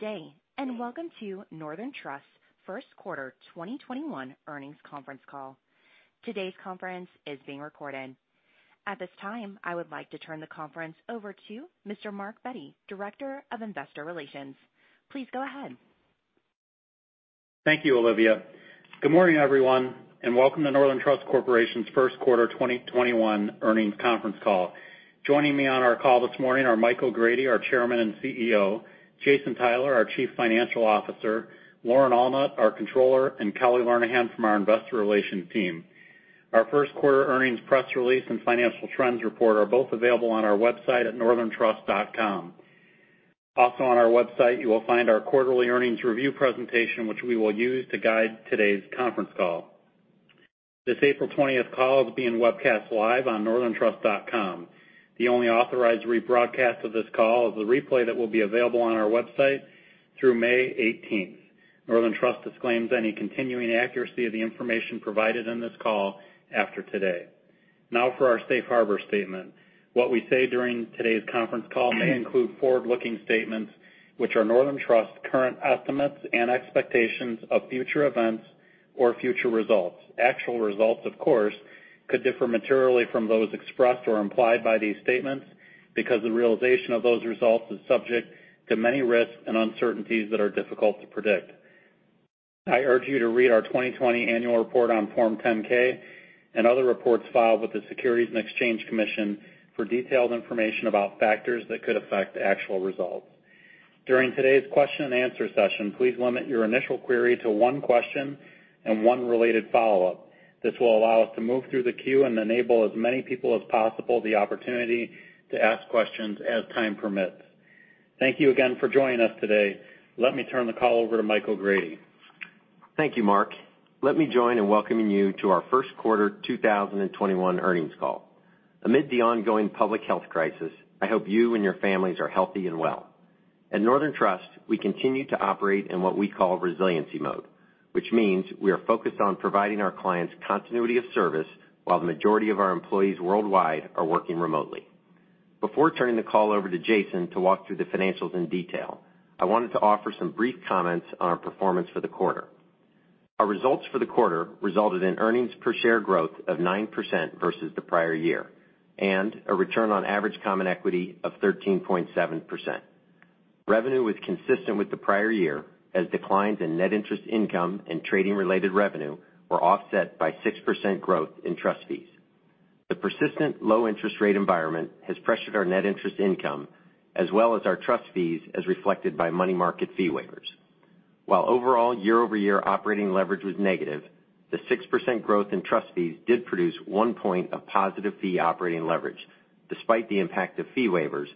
Goodday, and welcome to Northern Trust first quarter 2021 earnings conference call. Today's conference is being recorded. At this time, I would like to turn the conference over to Mr. Mark Bette, Director of Investor Relations. Please go ahead. Thank you, Olivia. Good morning, everyone, and welcome to Northern Trust Corporation's first quarter 2021 earnings conference call. Joining me on our call this morning are Michael O'Grady, our Chairman and CEO, Jason Tyler, our Chief Financial Officer, Lauren Allnatt, our Controller, and Kelly Lernihan from our Investor Relations team. Our first quarter earnings press release and financial trends report are both available on our website at northerntrust.com. Also on our website, you will find our quarterly earnings review presentation, which we will use to guide today's conference call. This April 20th call is being webcast live on northerntrust.com. The only authorized rebroadcast of this call is the replay that will be available on our website through May 18th. Northern Trust disclaims any continuing accuracy of the information provided on this call after today. Now for our safe harbor statement. What we say during today's conference call may include forward-looking statements, which are Northern Trust's current estimates and expectations of future events or future results. Actual results, of course, could differ materially from those expressed or implied by these statements because the realization of those results is subject to many risks and uncertainties that are difficult to predict. I urge you to read our 2020 annual report on Form 10-K and other reports filed with the Securities and Exchange Commission for detailed information about factors that could affect actual results. During today's question and answer session, please limit your initial query to one question and one related follow-up. This will allow us to move through the queue and enable as many people as possible the opportunity to ask questions as time permits. Thank you again for joining us today. Let me turn the call over to Michael O'Grady. Thank you, Mark. Let me join in welcoming you to our first quarter 2021 earnings call. Amid the ongoing public health crisis, I hope you and your families are healthy and well. At Northern Trust, we continue to operate in what we call resiliency mode, which means we are focused on providing our clients continuity of service while the majority of our employees worldwide are working remotely. Before turning the call over to Jason to walk through the financials in detail, I wanted to offer some brief comments on our performance for the quarter. Our results for the quarter resulted in earnings per share growth of 9% versus the prior year, and a return on average common equity of 13.7%. Revenue was consistent with the prior year, as declines in net interest income and trading-related revenue were offset by 6% growth in trust fees. The persistent low interest rate environment has pressured our net interest income as well as our trust fees, as reflected by money market fee waivers. While overall year-over-year operating leverage was negative, the 6% growth in trust fees did produce one point of positive fee operating leverage, despite the impact of fee waivers,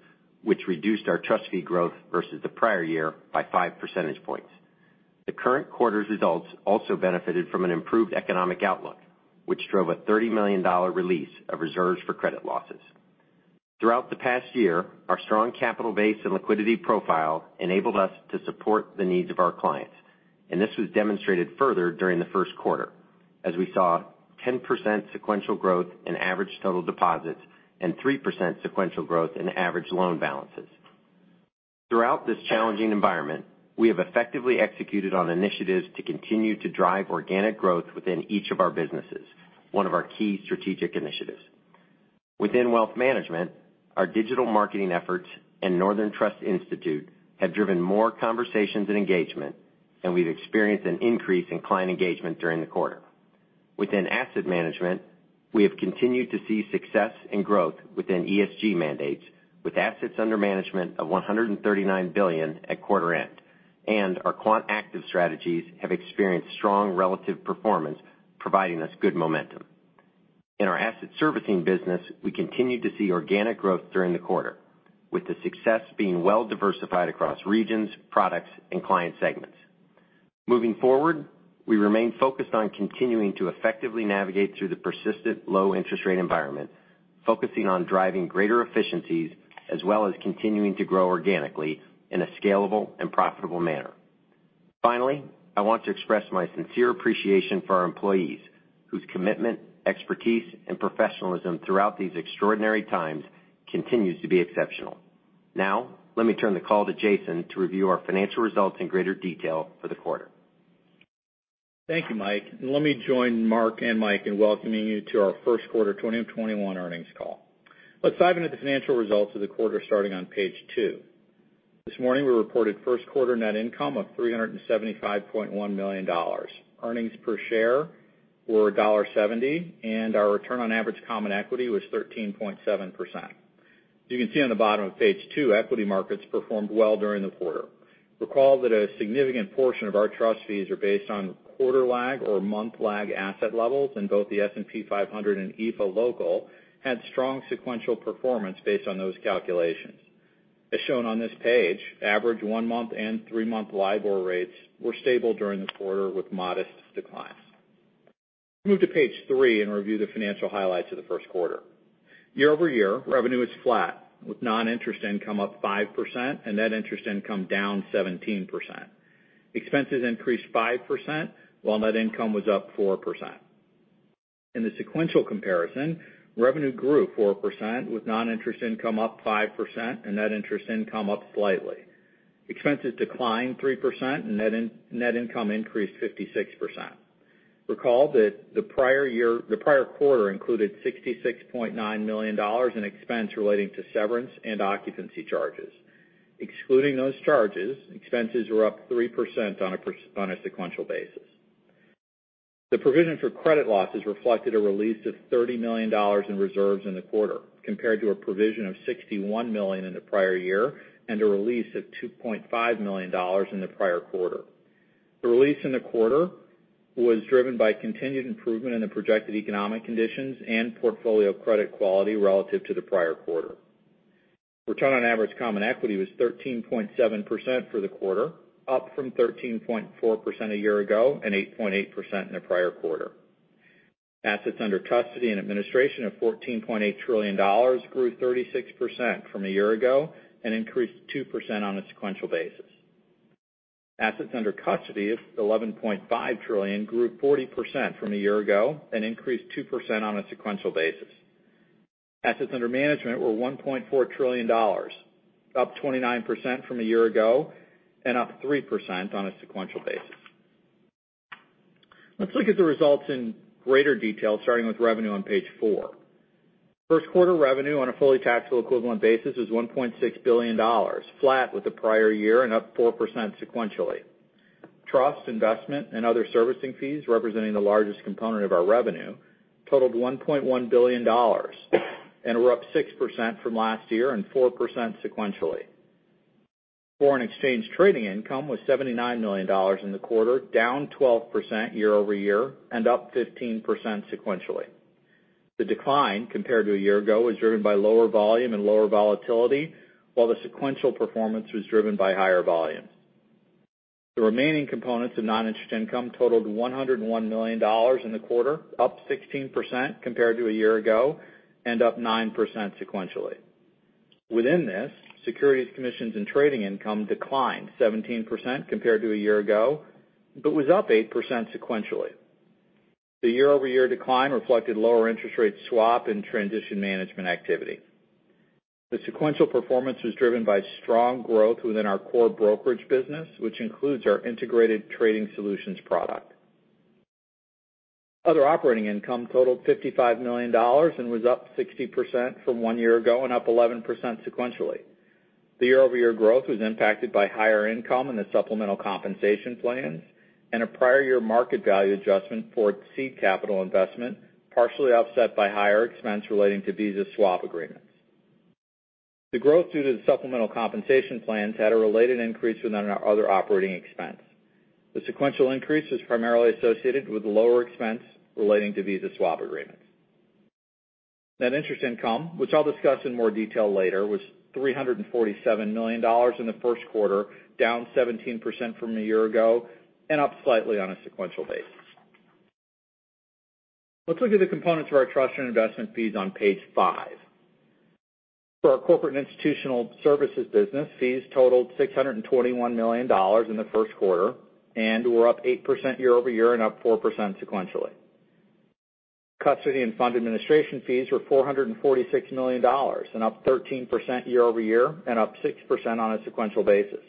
which reduced our trust fee growth versus the prior year by 5 percentage points. The current quarter's results also benefited from an improved economic outlook, which drove a $30 million release of reserves for credit losses. Throughout the past year, our strong capital base and liquidity profile enabled us to support the needs of our clients, and this was demonstrated further during the first quarter as we saw 10% sequential growth in average total deposits and 3% sequential growth in average loan balances. Throughout this challenging environment, we have effectively executed on initiatives to continue to drive organic growth within each of our businesses, one of our key strategic initiatives. Within wealth management, our digital marketing efforts and Northern Trust Institute have driven more conversations and engagement, and we've experienced an increase in client engagement during the quarter. Within asset management, we have continued to see success and growth within ESG mandates with assets under management of $139 billion at quarter end, and our quant active strategies have experienced strong relative performance, providing us good momentum. In our asset servicing business, we continued to see organic growth during the quarter, with the success being well diversified across regions, products, and client segments. Moving forward, we remain focused on continuing to effectively navigate through the persistent low interest rate environment, focusing on driving greater efficiencies as well as continuing to grow organically in a scalable and profitable manner. Finally, I want to express my sincere appreciation for our employees, whose commitment, expertise, and professionalism throughout these extraordinary times continues to be exceptional. Now, let me turn the call to Jason to review our financial results in greater detail for the quarter. Thank you, Mike, and let me join Mark and Mike in welcoming you to our first quarter 2021 earnings call. Let's dive into the financial results of the quarter, starting on Page 2. This morning, we reported first quarter net income of $375.1 million. Earnings per share were $1.70, and our return on average common equity was 13.7%. As you can see on the bottom of Page 2, equity markets performed well during the quarter. Recall that a significant portion of our trust fees are based on quarter lag or month lag asset levels, and both the S&P 500 and MSCI EAFE had strong sequential performance based on those calculations. As shown on this page, average one-month and three-month LIBOR rates were stable during the quarter with modest declines. Move to Page 3 and review the financial highlights of the first quarter. Year-over-year, revenue is flat with non-interest income up 5% and net interest income down 17%. Expenses increased 5%, while net income was up 4%. In the sequential comparison, revenue grew 4%, with non-interest income up 5% and net interest income up slightly. Expenses declined 3%, and net income increased 56%. Recall that the prior quarter included $66.9 million in expense relating to severance and occupancy charges. Excluding those charges, expenses were up 3% on a sequential basis. The provision for credit losses reflected a release of $30 million in reserves in the quarter, compared to a provision of $61 million in the prior year, and a release of $2.5 million in the prior quarter. The release in the quarter was driven by continued improvement in the projected economic conditions and portfolio credit quality relative to the prior quarter. Return on average common equity was 13.7% for the quarter, up from 13.4% a year ago and 8.8% in the prior quarter. Assets under custody and administration of $14.8 trillion grew 36% from a year ago and increased 2% on a sequential basis. Assets under custody of $11.5 trillion grew 40% from a year ago and increased 2% on a sequential basis. Assets under management were $1.4 trillion, up 29% from a year ago and up 3% on a sequential basis. Let's look at the results in greater detail, starting with revenue on Page 4. First quarter revenue on a fully taxable equivalent basis was $1.6 billion, flat with the prior year and up 4% sequentially. Trust, investment, and other servicing fees, representing the largest component of our revenue, totaled $1.1 billion and were up 6% from last year and 4% sequentially. Foreign exchange trading income was $79 million in the quarter, down 12% year-over-year and up 15% sequentially. The decline compared to a year ago was driven by lower volume and lower volatility, while the sequential performance was driven by higher volume. The remaining components of non-interest income totaled $101 million in the quarter, up 16% compared to a year ago and up 9% sequentially. Within this, securities, commissions, and trading income declined 17% compared to a year ago, but was up 8% sequentially. The year-over-year decline reflected lower interest rate swap and transition management activity. The sequential performance was driven by strong growth within our core brokerage business, which includes our Integrated Trading Solutions product. Other operating income totaled $55 million and was up 60% from one year ago and up 11% sequentially. The year-over-year growth was impacted by higher income in the supplemental compensation plans and a prior year market value adjustment for seed capital investment, partially offset by higher expense relating to FX swap agreements. The growth due to the supplemental compensation plans had a related increase in our other operating expense. The sequential increase was primarily associated with lower expense relating to FX swap agreements. Net interest income, which I'll discuss in more detail later, was $347 million in the first quarter, down 17% from a year ago, and up slightly on a sequential basis. Let's look at the components of our trust and investment fees on Page 5. For our Corporate & Institutional Services business, fees totaled $621 million in the first quarter and were up 8% year-over-year and up 4% sequentially. Custody and fund administration fees were $446 million and up 13% year-over-year and up 6% on a sequential basis.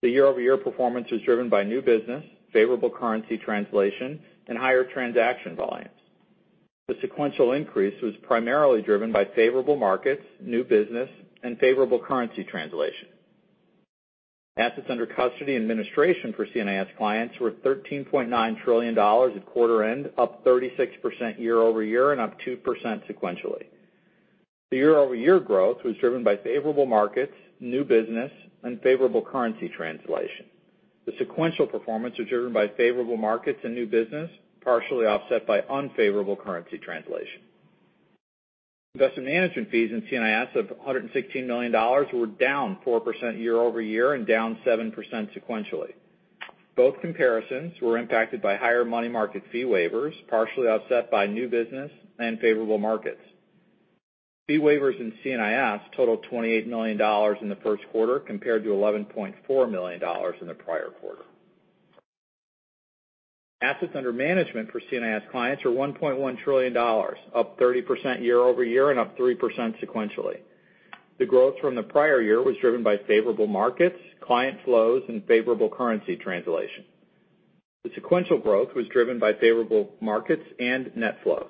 The year-over-year performance was driven by new business, favorable currency translation, and higher transaction volumes. The sequential increase was primarily driven by favorable markets, new business, and favorable currency translation. Assets under custody and administration for C&IS clients were $13.9 trillion at quarter end, up 36% year-over-year and up 2% sequentially. The year-over-year growth was driven by favorable markets, new business, and favorable currency translation. The sequential performance was driven by favorable markets and new business, partially offset by unfavorable currency translation. Investment management fees in C&IS of $116 million were down 4% year-over-year and down 7% sequentially. Both comparisons were impacted by higher money market fee waivers, partially offset by new business and favorable markets. Fee waivers in C&IS totaled $28 million in the first quarter compared to $11.4 million in the prior quarter. Assets under management for C&IS clients are $1.1 trillion, up 30% year-over-year and up 3% sequentially. The growth from the prior year was driven by favorable markets, client flows, and favorable currency translation. The sequential growth was driven by favorable markets and net flows.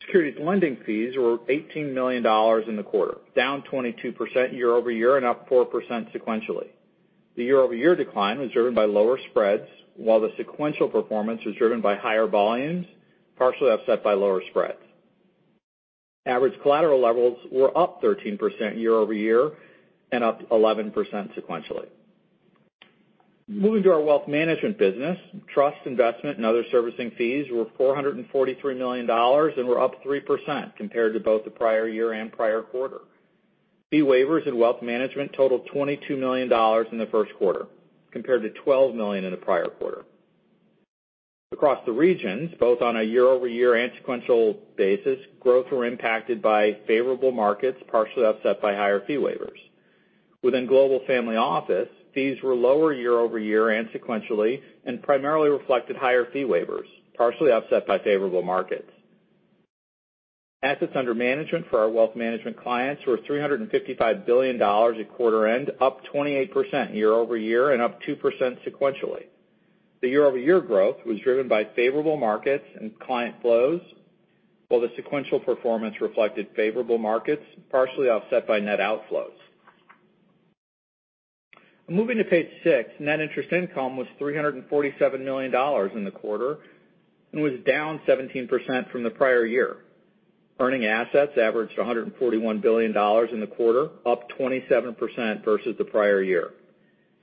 Securities lending fees were $18 million in the quarter, down 22% year-over-year and up 4% sequentially. The year-over-year decline was driven by lower spreads, while the sequential performance was driven by higher volumes, partially offset by lower spreads. Average collateral levels were up 13% year-over-year and up 11% sequentially. Moving to our Wealth Management business, Trust, Investment and Other Servicing Fees were $443 million and were up 3% compared to both the prior year and prior quarter. Fee waivers in Wealth Management totaled $22 million in the first quarter, compared to $12 million in the prior quarter. Across the regions, both on a year-over-year and sequential basis, growth were impacted by favorable markets, partially offset by higher fee waivers. Within Global Family Office, fees were lower year-over-year and sequentially, and primarily reflected higher fee waivers, partially offset by favorable markets. Assets under management for our wealth management clients were $355 billion at quarter end, up 28% year-over-year and up 2% sequentially. The year-over-year growth was driven by favorable markets and client flows, while the sequential performance reflected favorable markets, partially offset by net outflows. Moving to Page 6, net interest income was $347 million in the quarter and was down 17% from the prior year. Earning assets averaged $141 billion in the quarter, up 27% versus the prior year.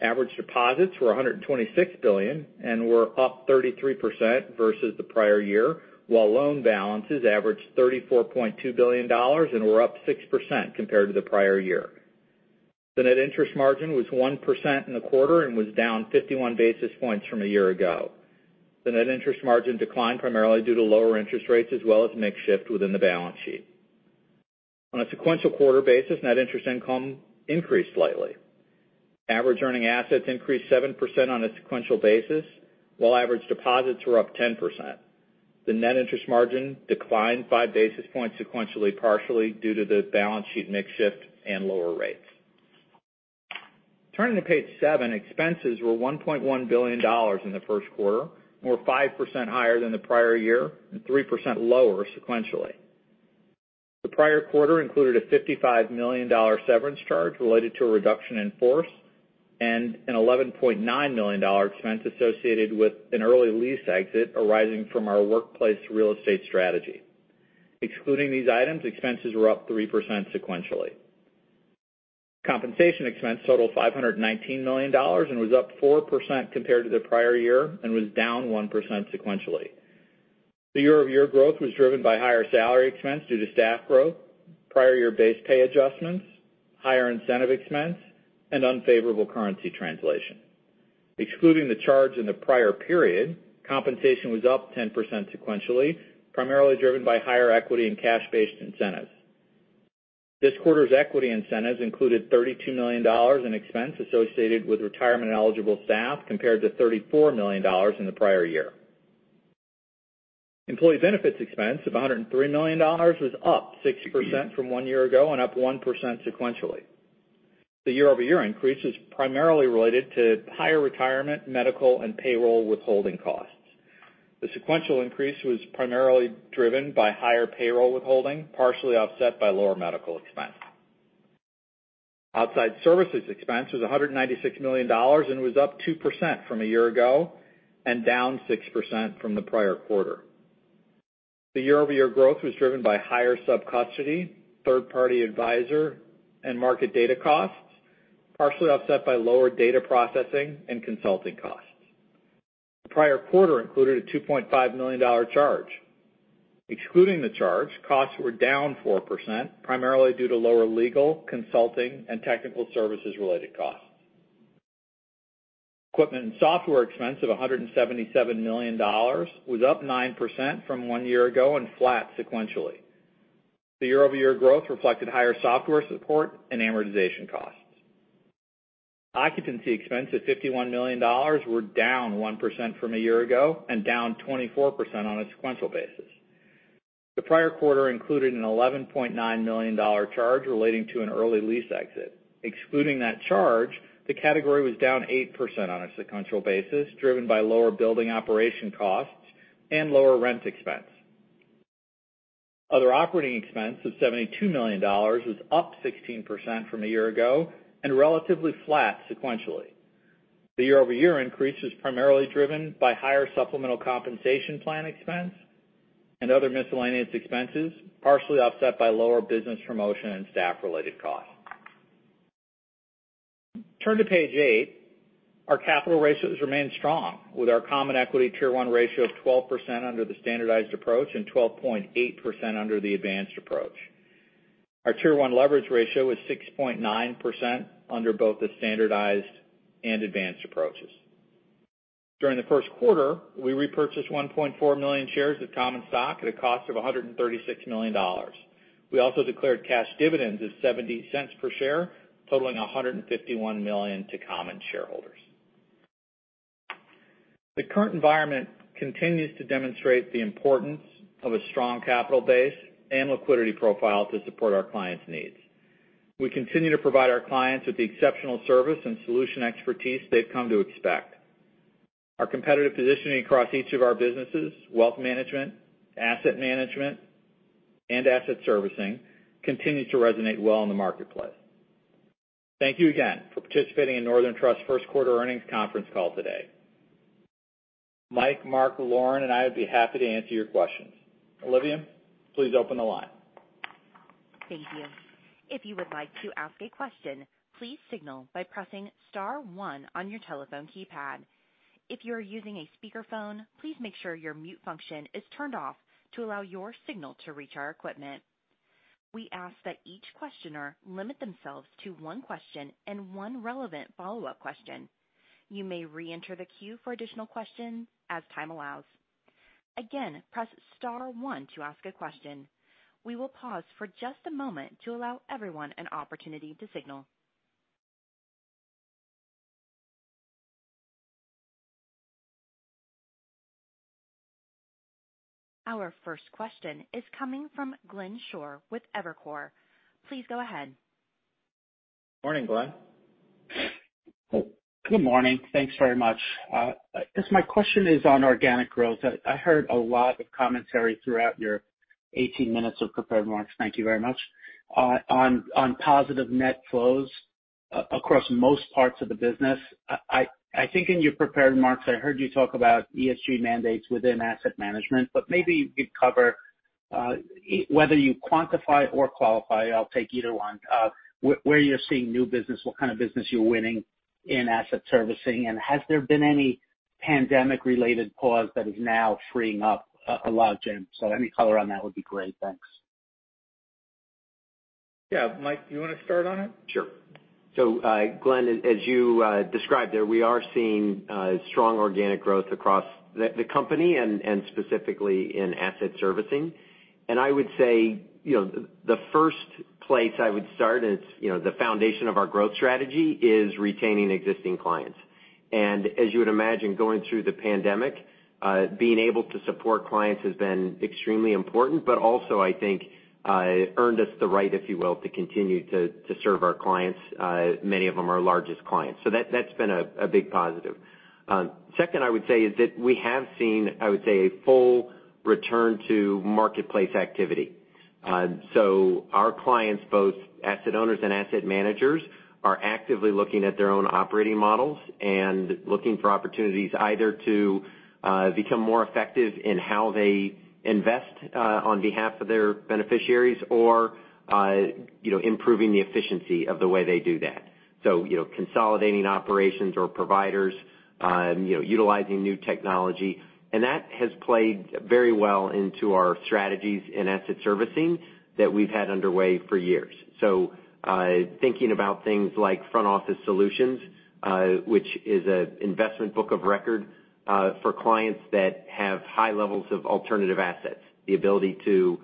Average deposits were $126 billion and were up 33% versus the prior year, while loan balances averaged $34.2 billion and were up 6% compared to the prior year. The net interest margin was 1% in the quarter and was down 51 basis points from a year ago. The net interest margin declined primarily due to lower interest rates as well as mix shift within the balance sheet. On a sequential quarter basis, net interest income increased slightly. Average earning assets increased 7% on a sequential basis, while average deposits were up 10%. The net interest margin declined 5 basis points sequentially, partially due to the balance sheet mix shift and lower rates. Turning to Page 7, expenses were $1.1 billion in the first quarter and were 5% higher than the prior year and 3% lower sequentially. The prior quarter included a $55 million severance charge related to a reduction in force and an $11.9 million expense associated with an early lease exit arising from our workplace real estate strategy. Excluding these items, expenses were up 3% sequentially. Compensation expense totaled $519 million and was up 4% compared to the prior year and was down 1% sequentially. The year-over-year growth was driven by higher salary expense due to staff growth, prior year base pay adjustments, higher incentive expense, and unfavorable currency translation. Excluding the charge in the prior period, compensation was up 10% sequentially, primarily driven by higher equity and cash-based incentives. This quarter's equity incentives included $32 million in expense associated with retirement-eligible staff, compared to $34 million in the prior year. Employee benefits expense of $103 million was up 6% from one year ago and up 1% sequentially. The year-over-year increase is primarily related to higher retirement, medical, and payroll withholding costs. The sequential increase was primarily driven by higher payroll withholding, partially offset by lower medical expense. Outside services expense was $196 million and was up 2% from a year ago and down 6% from the prior quarter. The year-over-year growth was driven by higher subcustody, third-party advisor, and market data costs, partially offset by lower data processing and consulting costs. The prior quarter included a $2.5 million charge. Excluding the charge, costs were down 4%, primarily due to lower legal, consulting, and technical services-related costs. Equipment and software expense of $177 million was up 9% from one year ago and flat sequentially. The year-over-year growth reflected higher software support and amortization costs. Occupancy expense at $51 million were down 1% from a year ago and down 24% on a sequential basis. The prior quarter included an $11.9 million charge relating to an early lease exit. Excluding that charge, the category was down 8% on a sequential basis, driven by lower building operation costs and lower rent expense. Other operating expense of $72 million was up 16% from a year ago and relatively flat sequentially. The year-over-year increase was primarily driven by higher supplemental compensation plan expense and other miscellaneous expenses, partially offset by lower business promotion and staff-related costs. Turn to Page 8. Our capital ratios remain strong with our common equity Tier 1 ratio of 12% under the standardized approach and 12.8% under the advanced approach. Our Tier 1 leverage ratio is 6.9% under both the standardized and advanced approaches. During the first quarter, we repurchased 1.4 million shares of common stock at a cost of $136 million. We also declared cash dividends of $0.70 per share, totaling $151 million to common shareholders. The current environment continues to demonstrate the importance of a strong capital base and liquidity profile to support our clients' needs. We continue to provide our clients with the exceptional service and solution expertise they've come to expect. Our competitive positioning across each of our businesses, Wealth Management, Asset Management, and Asset Servicing, continues to resonate well in the marketplace. Thank you again for participating in Northern Trust's first quarter earnings conference call today. Mike, Mark, Lauren, and I would be happy to answer your questions. Olivia, please open the line. Thank you. If you would like to ask a question, please signal by pressing star one on your telephone keypad. If you are using a speakerphone, please make sure your mute function is turned off to allow your signal to reach our equipment. We ask that each questioner limit themselves to one question and one relevant follow-up question. You may reenter the queue for additional questions as time allows. Again, press star one to ask a question. We will pause for just a moment to allow everyone an opportunity to signal. Our first question is coming from Glenn Schorr with Evercore. Please go ahead. Morning, Glenn. Good morning. Thanks very much. I guess my question is on organic growth. I heard a lot of commentary throughout your 18 minutes of prepared remarks, thank you very much, on positive net flows across most parts of the business. I think in your prepared marks, I heard you talk about ESG mandates within asset management, but maybe you could cover, whether you quantify or qualify, I'll take either one, where you're seeing new business, what kind of business you're winning in asset servicing, and has there been any pandemic-related pause that is now freeing up a lot of gems? Any color on that would be great. Thanks. Yeah, Mike, you want to start on it? Sure. Glenn, as you described there, we are seeing strong organic growth across the company and specifically in asset servicing. I would say, the first place I would start, and it's the foundation of our growth strategy, is retaining existing clients. As you would imagine going through the pandemic, being able to support clients has been extremely important, but also I think earned us the right, if you will, to continue to serve our clients, many of them our largest clients. That's been a big positive. Second, I would say is that we have seen, I would say, a full return to marketplace activity. Our clients, both asset owners and asset managers, are actively looking at their own operating models and looking for opportunities either to become more effective in how they invest on behalf of their beneficiaries or improving the efficiency of the way they do that, consolidating operations or providers, utilizing new technology. That has played very well into our strategies in asset servicing that we've had underway for years, thinking about things like Front Office Solutions, which is an investment book of record for clients that have high levels of alternative assets, the ability to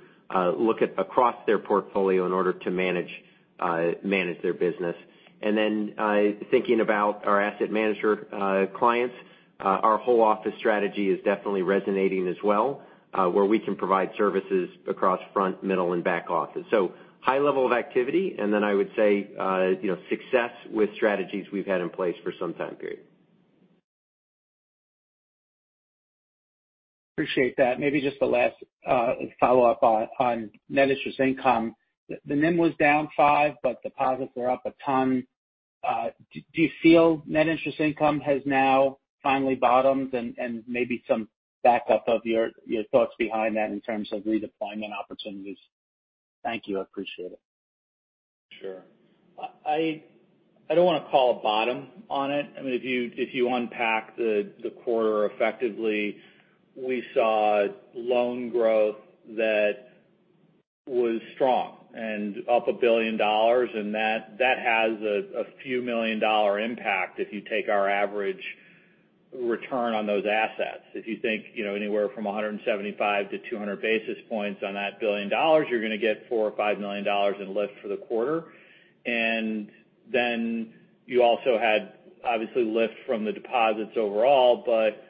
look across their portfolio in order to manage their business. Thinking about our asset manager clients, our Whole Office strategy is definitely resonating as well, where we can provide services across front, middle, and back office. High level of activity, and then I would say success with strategies we've had in place for some time period. Appreciate that. Maybe just the last follow-up on net interest income. The NIM was down 5, but deposits are up a ton. Do you feel net interest income has now finally bottomed and maybe some backup of your thoughts behind that in terms of redeployment opportunities? Thank you. I appreciate it. Sure. I don't want to call a bottom on it. If you unpack the quarter effectively, we saw loan growth that was strong and up $1 billion, and that has a few million-dollar impact if you take our average return on those assets. If you think anywhere from 175-200 basis points on that $1 billion, you're going to get $4 or $5 million in lift for the quarter. You also had, obviously, lift from the deposits overall, but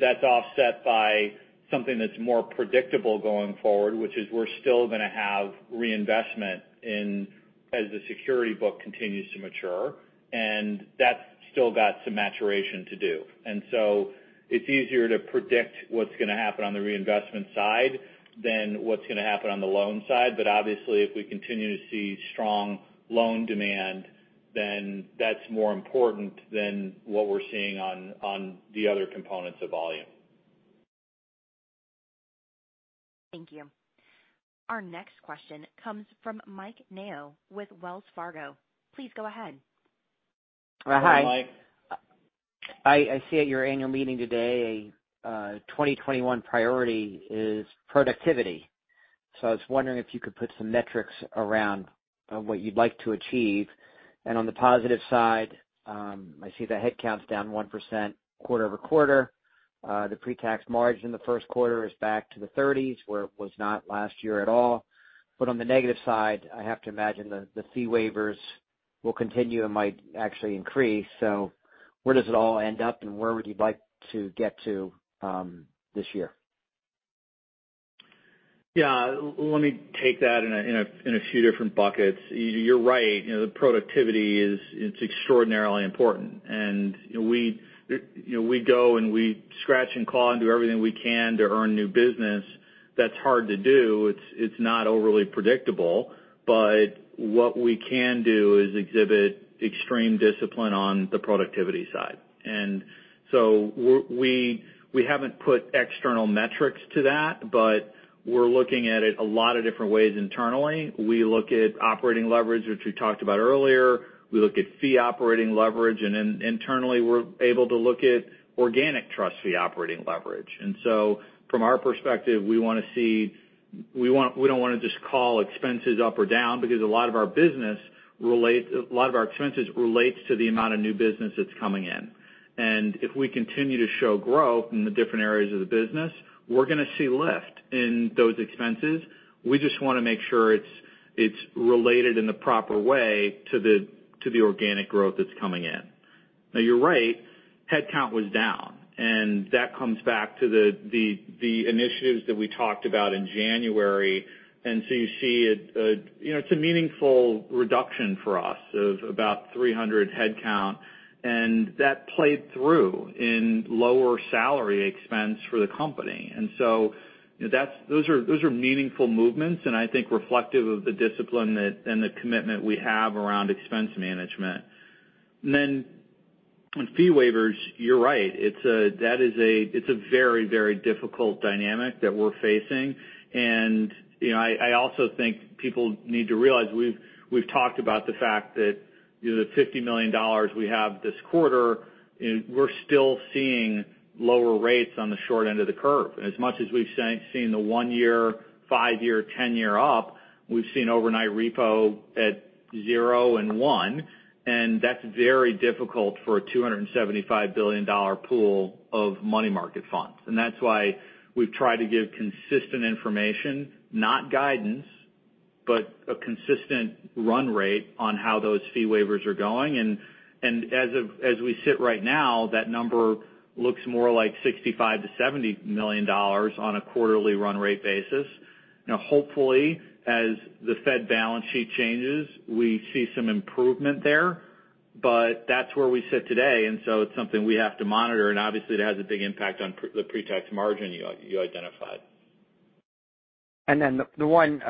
that's offset by something that's more predictable going forward, which is we're still going to have reinvestment as the security book continues to mature, and that's still got some maturation to do. It's easier to predict what's going to happen on the reinvestment side than what's going to happen on the loan side. Obviously, if we continue to see strong loan demand, then that's more important than what we're seeing on the other components of volume. Thank you. Our next question comes from Mike Mayo with Wells Fargo. Please go ahead. Hi. Hello, Mike. I see at your annual meeting today, 2021 priority is productivity. I was wondering if you could put some metrics around what you'd like to achieve. On the positive side, I see the headcount's down 1% quarter-over-quarter. The pre-tax margin in the first quarter is back to the 30%s where it was not last year at all. On the negative side, I have to imagine the fee waivers will continue and might actually increase. Where does it all end up, and where would you like to get to this year? Yeah. Let me take that in a few different buckets. You're right. The productivity is extraordinarily important. We go and we scratch and claw and do everything we can to earn new business. That's hard to do. It's not overly predictable. What we can do is exhibit extreme discipline on the productivity side. We haven't put external metrics to that, but we're looking at it a lot of different ways internally. We look at operating leverage, which we talked about earlier. We look at fee operating leverage, and then internally, we're able to look at organic trust fee operating leverage. From our perspective, we don't want to just call expenses up or down because a lot of our expenses relates to the amount of new business that's coming in. If we continue to show growth in the different areas of the business, we're going to see lift in those expenses. We just want to make sure it's related in the proper way to the organic growth that's coming in. Now, you're right, headcount was down, and that comes back to the initiatives that we talked about in January. You see it's a meaningful reduction for us of about 300 headcount, and that played through in lower salary expense for the company. Those are meaningful movements, and I think reflective of the discipline and the commitment we have around expense management. Then on fee waivers, you're right. It's a very, very difficult dynamic that we're facing. I also think people need to realize we've talked about the fact that the $50 million we have this quarter, we're still seeing lower rates on the short end of the curve. As much as we've seen the one-year, five-year, 10-year up, we've seen overnight repo at zero and one, and that's very difficult for a $275 billion pool of money market funds. That's why we've tried to give consistent information, not guidance, but a consistent run rate on how those fee waivers are going. As we sit right now, that number looks more like $65-$70 million on a quarterly run rate basis. Now, hopefully, as the Fed balance sheet changes, we see some improvement there, but that's where we sit today, and so it's something we have to monitor, and obviously, it has a big impact on the pre-tax margin you identified. The one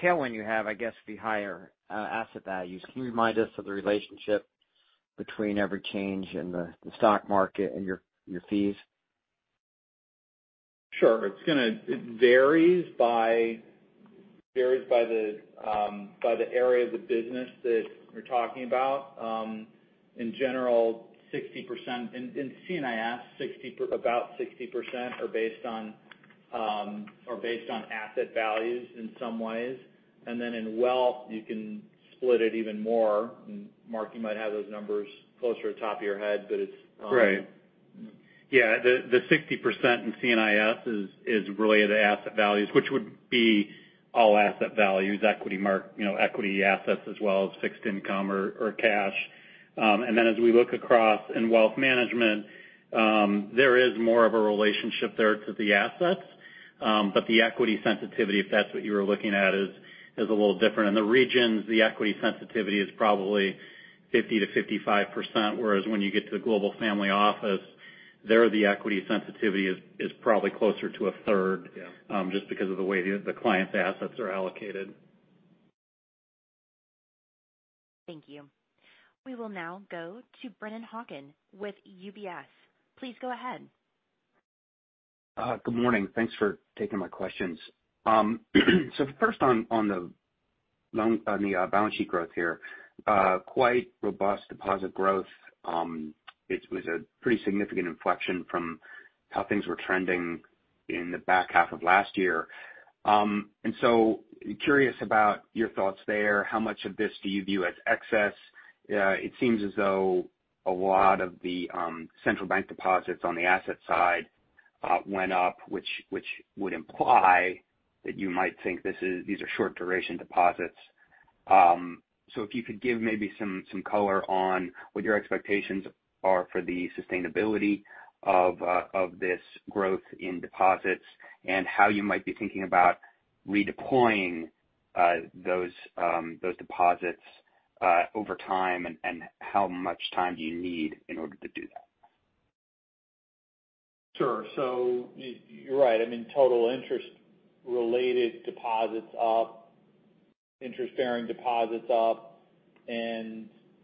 tailwind you have, I guess, the higher asset values. Can you remind us of the relationship between every change in the stock market and your fees? Sure. It varies by the area of the business that you're talking about. In general, in C&IS, about 60% are based on asset values in some ways. In Wealth, you can split it even more. Mark, you might have those numbers closer to the top of your head, but it's. Right. Yeah. The 60% in C&IS is related to asset values, which would be all asset values, equity mark, equity assets, as well as fixed income or cash. Then as we look across in Wealth Management, there is more of a relationship there to the assets. The equity sensitivity, if that's what you were looking at, is a little different. In the regions, the equity sensitivity is probably 50%-55%, whereas when you get to the Global Family Office, there the equity sensitivity is probably closer to a third just because of the way the client's assets are allocated. Thank you. We will now go to Brennan Hawken with UBS. Please go ahead. Good morning. Thanks for taking my questions. First on the balance sheet growth here. Quite robust deposit growth. It was a pretty significant inflection from how things were trending in the back half of last year. Curious about your thoughts there. How much of this do you view as excess? It seems as though a lot of the central bank deposits on the asset side went up, which would imply that you might think these are short-duration deposits. If you could give maybe some color on what your expectations are for the sustainability of this growth in deposits and how you might be thinking about redeploying those deposits over time, and how much time do you need in order to do that? Sure. You're right. Total interest-related deposits up, interest-bearing deposits up.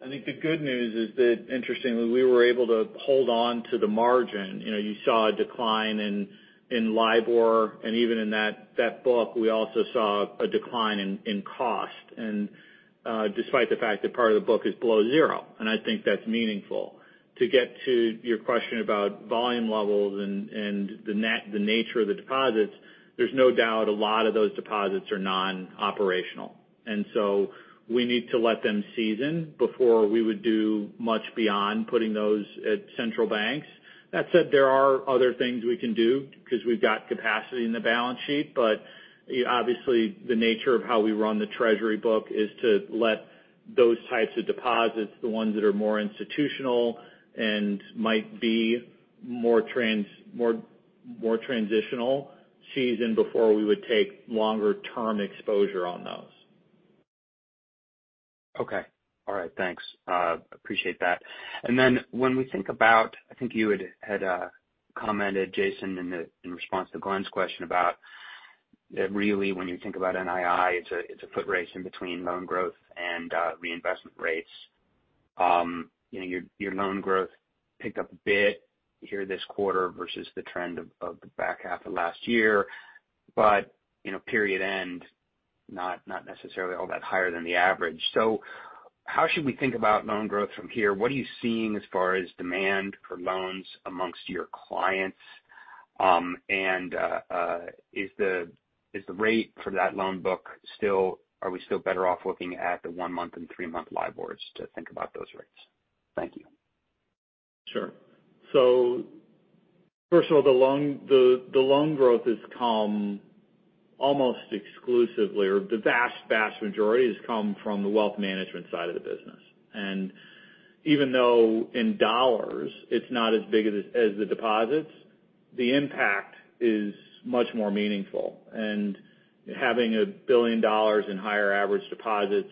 I think the good news is that interestingly, we were able to hold on to the margin. You saw a decline in LIBOR, and even in that book, we also saw a decline in cost. Despite the fact that part of the book is below zero, and I think that's meaningful. To get to your question about volume levels and the nature of the deposits, there's no doubt a lot of those deposits are non-operational, and so we need to let them season before we would do much beyond putting those at central banks. That said, there are other things we can do because we've got capacity in the balance sheet. Obviously, the nature of how we run the treasury book is to let those types of deposits, the ones that are more institutional and might be more transient, so before we would take longer-term exposure on those. Okay. All right. Thanks. Appreciate that. When we think about, I think you had commented, Jason, in response to Glenn's question about really when you think about NII, it's a foot race in between loan growth and reinvestment rates. Your loan growth picked up a bit here this quarter versus the trend of the back half of last year. Period end, not necessarily all that higher than the average. How should we think about loan growth from here? What are you seeing as far as demand for loans amongst your clients? Is the rate for that loan book, are we still better off looking at the one-month and three-month LIBORs to think about those rates? Thank you. Sure. First of all, the loan growth has come almost exclusively, or the vast majority has come from the wealth management side of the business. Even though in dollars it's not as big as the deposits, the impact is much more meaningful. Having $1 billion in higher average deposits,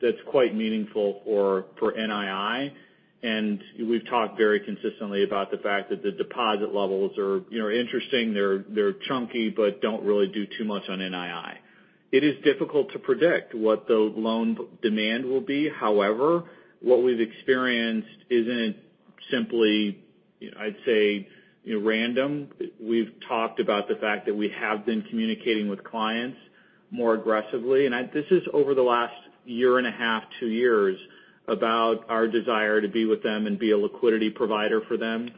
that's quite meaningful for NII. We've talked very consistently about the fact that the deposit levels are interesting. They're chunky, but don't really do too much on NII. It is difficult to predict what the loan demand will be. However, what we've experienced isn't simply, I'd say, random. We've talked about the fact that we have been communicating with clients more aggressively. This is over the last year and a half, two years, about our desire to be with them and be a liquidity provider for them.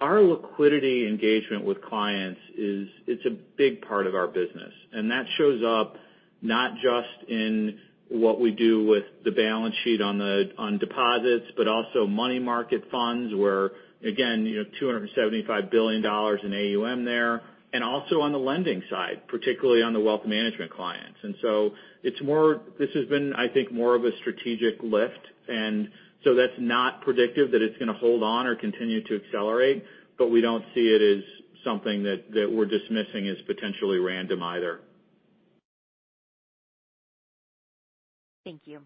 Our liquidity engagement with clients is a big part of our business, and that shows up not just in what we do with the balance sheet on deposits, but also money market funds, where again, $275 billion in AUM there. Also on the lending side, particularly on the wealth management clients. This has been, I think, more of a strategic lift. That's not predictive that it's going to hold on or continue to accelerate. We don't see it as something that we're dismissing as potentially random either. Thank you.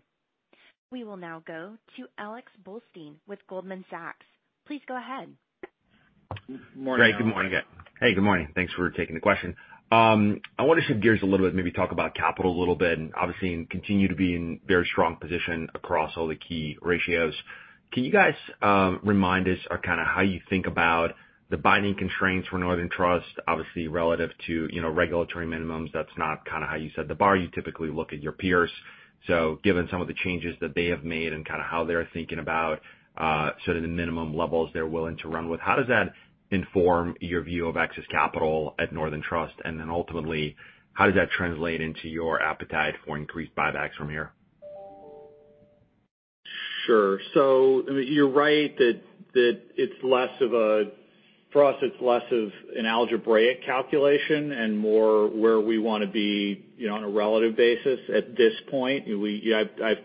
We will now go to Alex Blostein with Goldman Sachs. Please go ahead. Morning, Alex. Hey, good morning. Thanks for taking the question. I want to shift gears a little bit and maybe talk about capital a little bit, and obviously you continue to be in very strong position across all the key ratios. Can you guys remind us or kind of how you think about the binding constraints for Northern Trust, obviously relative to regulatory minimums? That's not kind of how you set the bar. You typically look at your peers. Given some of the changes that they have made and kind of how they're thinking about sort of the minimum levels they're willing to run with, how does that inform your view of excess capital at Northern Trust? Ultimately, how does that translate into your appetite for increased buybacks from here? Sure. You're right that for us it's less of an algebraic calculation and more where we want to be on a relative basis at this point. You guys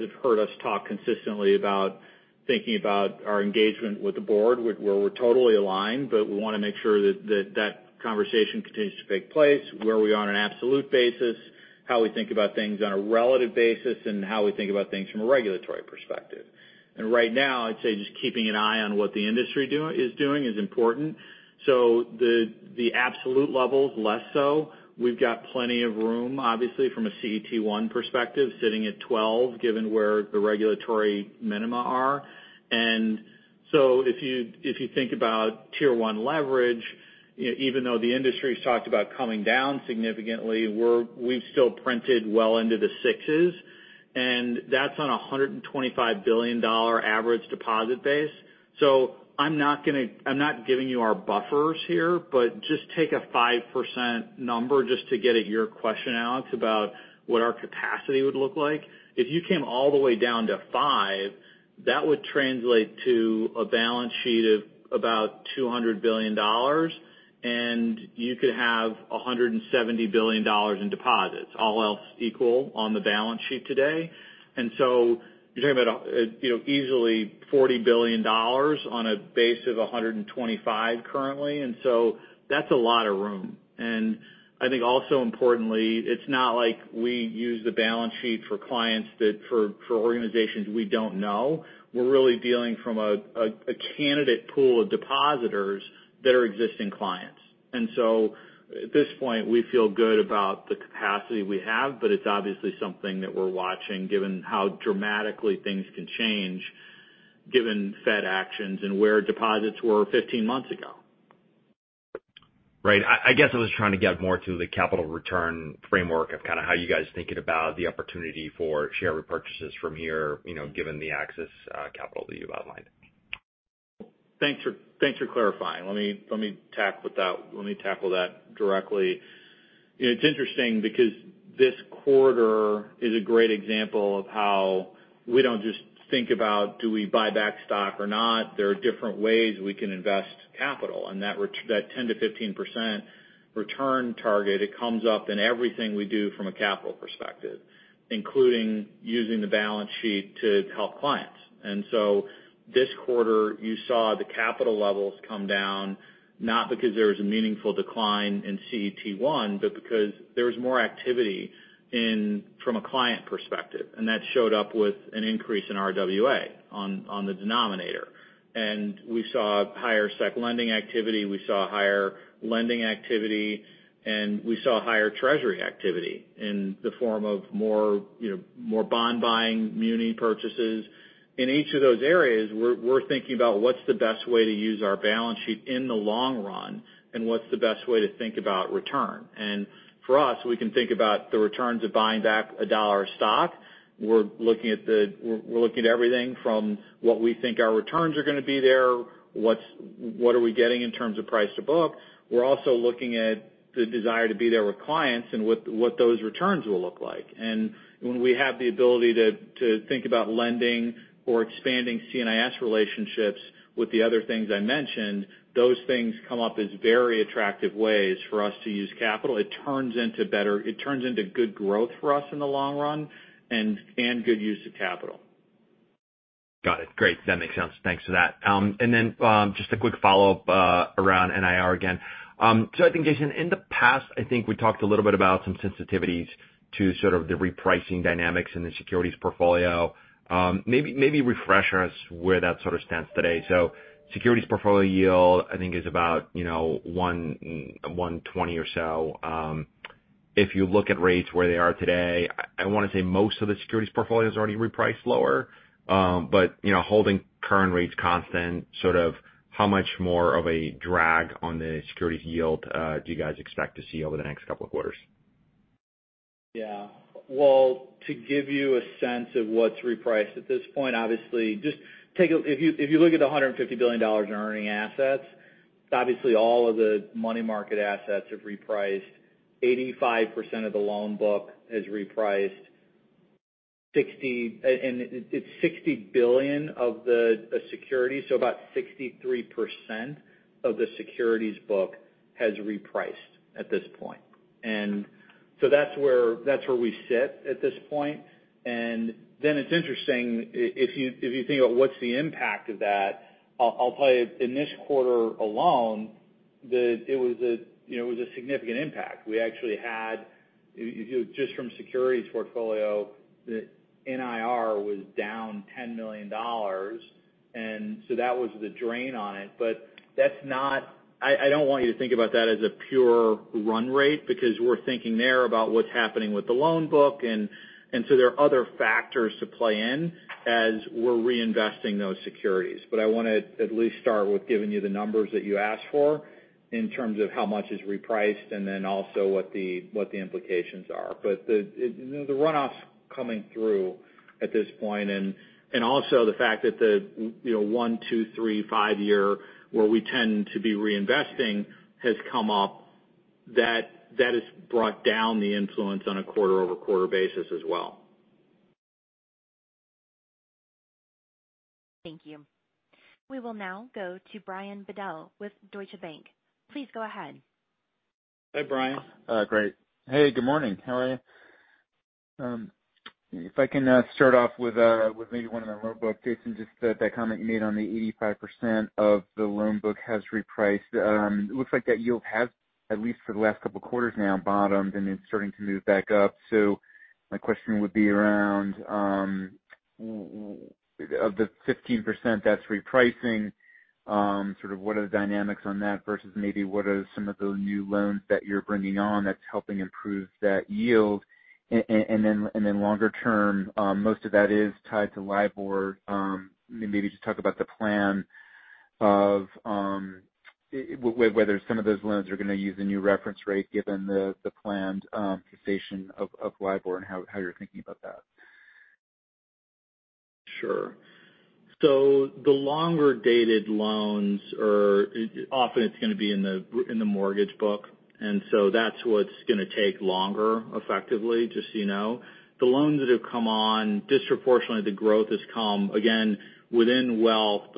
have heard us talk consistently about thinking about our engagement with the board, where we're totally aligned. We want to make sure that conversation continues to take place, where we are on an absolute basis, how we think about things on a relative basis, and how we think about things from a regulatory perspective. Right now, I'd say just keeping an eye on what the industry is doing is important. The absolute levels less so. We've got plenty of room, obviously, from a CET1 perspective, sitting at 12 given where the regulatory minima are. If you think about Tier 1 leverage, even though the industry's talked about coming down significantly, we've still printed well into the sixes, and that's on a $125 billion average deposit base. I'm not giving you our buffers here, but just take a 5% number just to get at your question, Alex, about what our capacity would look like. If you came all the way down to 5%, that would translate to a balance sheet of about $200 billion, and you could have $170 billion in deposits, all else equal, on the balance sheet today. You're talking about easily $40 billion on a base of 125 currently. That's a lot of room. I think also importantly, it's not like we use the balance sheet for clients, for organizations we don't know. We're really dealing from a candidate pool of depositors that are existing clients. At this point we feel good about the capacity we have. It's obviously something that we're watching given how dramatically things can change given Fed actions and where deposits were 15 months ago. Right. I guess I was trying to get more to the capital return framework of kind of how you guys are thinking about the opportunity for share repurchases from here given the excess capital that you've outlined. Thanks for clarifying. Let me tackle that directly. It's interesting because this quarter is a great example of how we don't just think about do we buy back stock or not. There are different ways we can invest capital, and that 10%-15% return target, it comes up in everything we do from a capital perspective, including using the balance sheet to help clients. This quarter you saw the capital levels come down, not because there was a meaningful decline in CET1, but because there was more activity from a client perspective. That showed up with an increase in RWA on the denominator. We saw higher sec lending activity. We saw higher lending activity, and we saw higher treasury activity in the form of more bond buying muni purchases. In each of those areas, we're thinking about what's the best way to use our balance sheet in the long run, and what's the best way to think about return. For us, we can think about the returns of buying back a dollar a stock. We're looking at everything from what we think our returns are going to be there. What are we getting in terms of price to book? We're also looking at the desire to be there with clients and what those returns will look like. When we have the ability to think about lending or expanding C&IS relationships with the other things I mentioned, those things come up as very attractive ways for us to use capital. It turns into good growth for us in the long run and good use of capital. Got it. Great. That makes sense. Thanks for that. Just a quick follow-up around NIR again. I think, Jason, in the past, I think we talked a little bit about some sensitivities to sort of the repricing dynamics in the securities portfolio. Maybe refresh us where that sort of stands today. Securities portfolio yield, I think, is about 1.20 or so. If you look at rates where they are today, I want to say most of the securities portfolio is already repriced lower. Holding current rates constant, sort of how much more of a drag on the securities yield do you guys expect to see over the next couple of quarters? Yeah. Well, to give you a sense of what's repriced at this point, obviously, if you look at the $150 billion in earning assets, obviously all of the money market assets have repriced. 85% of the loan book has repriced. It's $60 billion of the securities, so about 63% of the securities book has repriced at this point. That's where we sit at this point. It's interesting, if you think about what's the impact of that, I'll tell you, in this quarter alone, it was a significant impact. We actually had, just from securities portfolio, the NIR was down $10 million, and so that was the drain on it. I don't want you to think about that as a pure run rate, because we're thinking there about what's happening with the loan book, and so there are other factors to play in as we're reinvesting those securities. I want to at least start with giving you the numbers that you asked for in terms of how much is repriced and then also what the implications are. The runoff's coming through at this point, and also the fact that the one, two, three, five-year, where we tend to be reinvesting, has come up. That has brought down the influence on a quarter-over-quarter basis as well. Thank you. We will now go to Brian Bedell with Deutsche Bank. Please go ahead. Hey, Brian. Great. Hey, good morning. How are you? If I can start off with maybe one on the loan book. Jason, just that comment you made on the 85% of the loan book has repriced. It looks like that yield has, at least for the last couple of quarters now, bottomed and it's starting to move back up. My question would be around, of the 15% that's repricing, sort of what are the dynamics on that versus maybe what are some of the new loans that you're bringing on that's helping improve that yield? Longer term, most of that is tied to LIBOR. Maybe just talk about the plan of whether some of those loans are going to use a new reference rate given the planned cessation of LIBOR and how you're thinking about that. Sure. The longer-dated loans are, often it's going to be in the mortgage book, and so that's what's going to take longer, effectively, just so you know. The loans that have come on, disproportionately the growth has come, again, within wealth.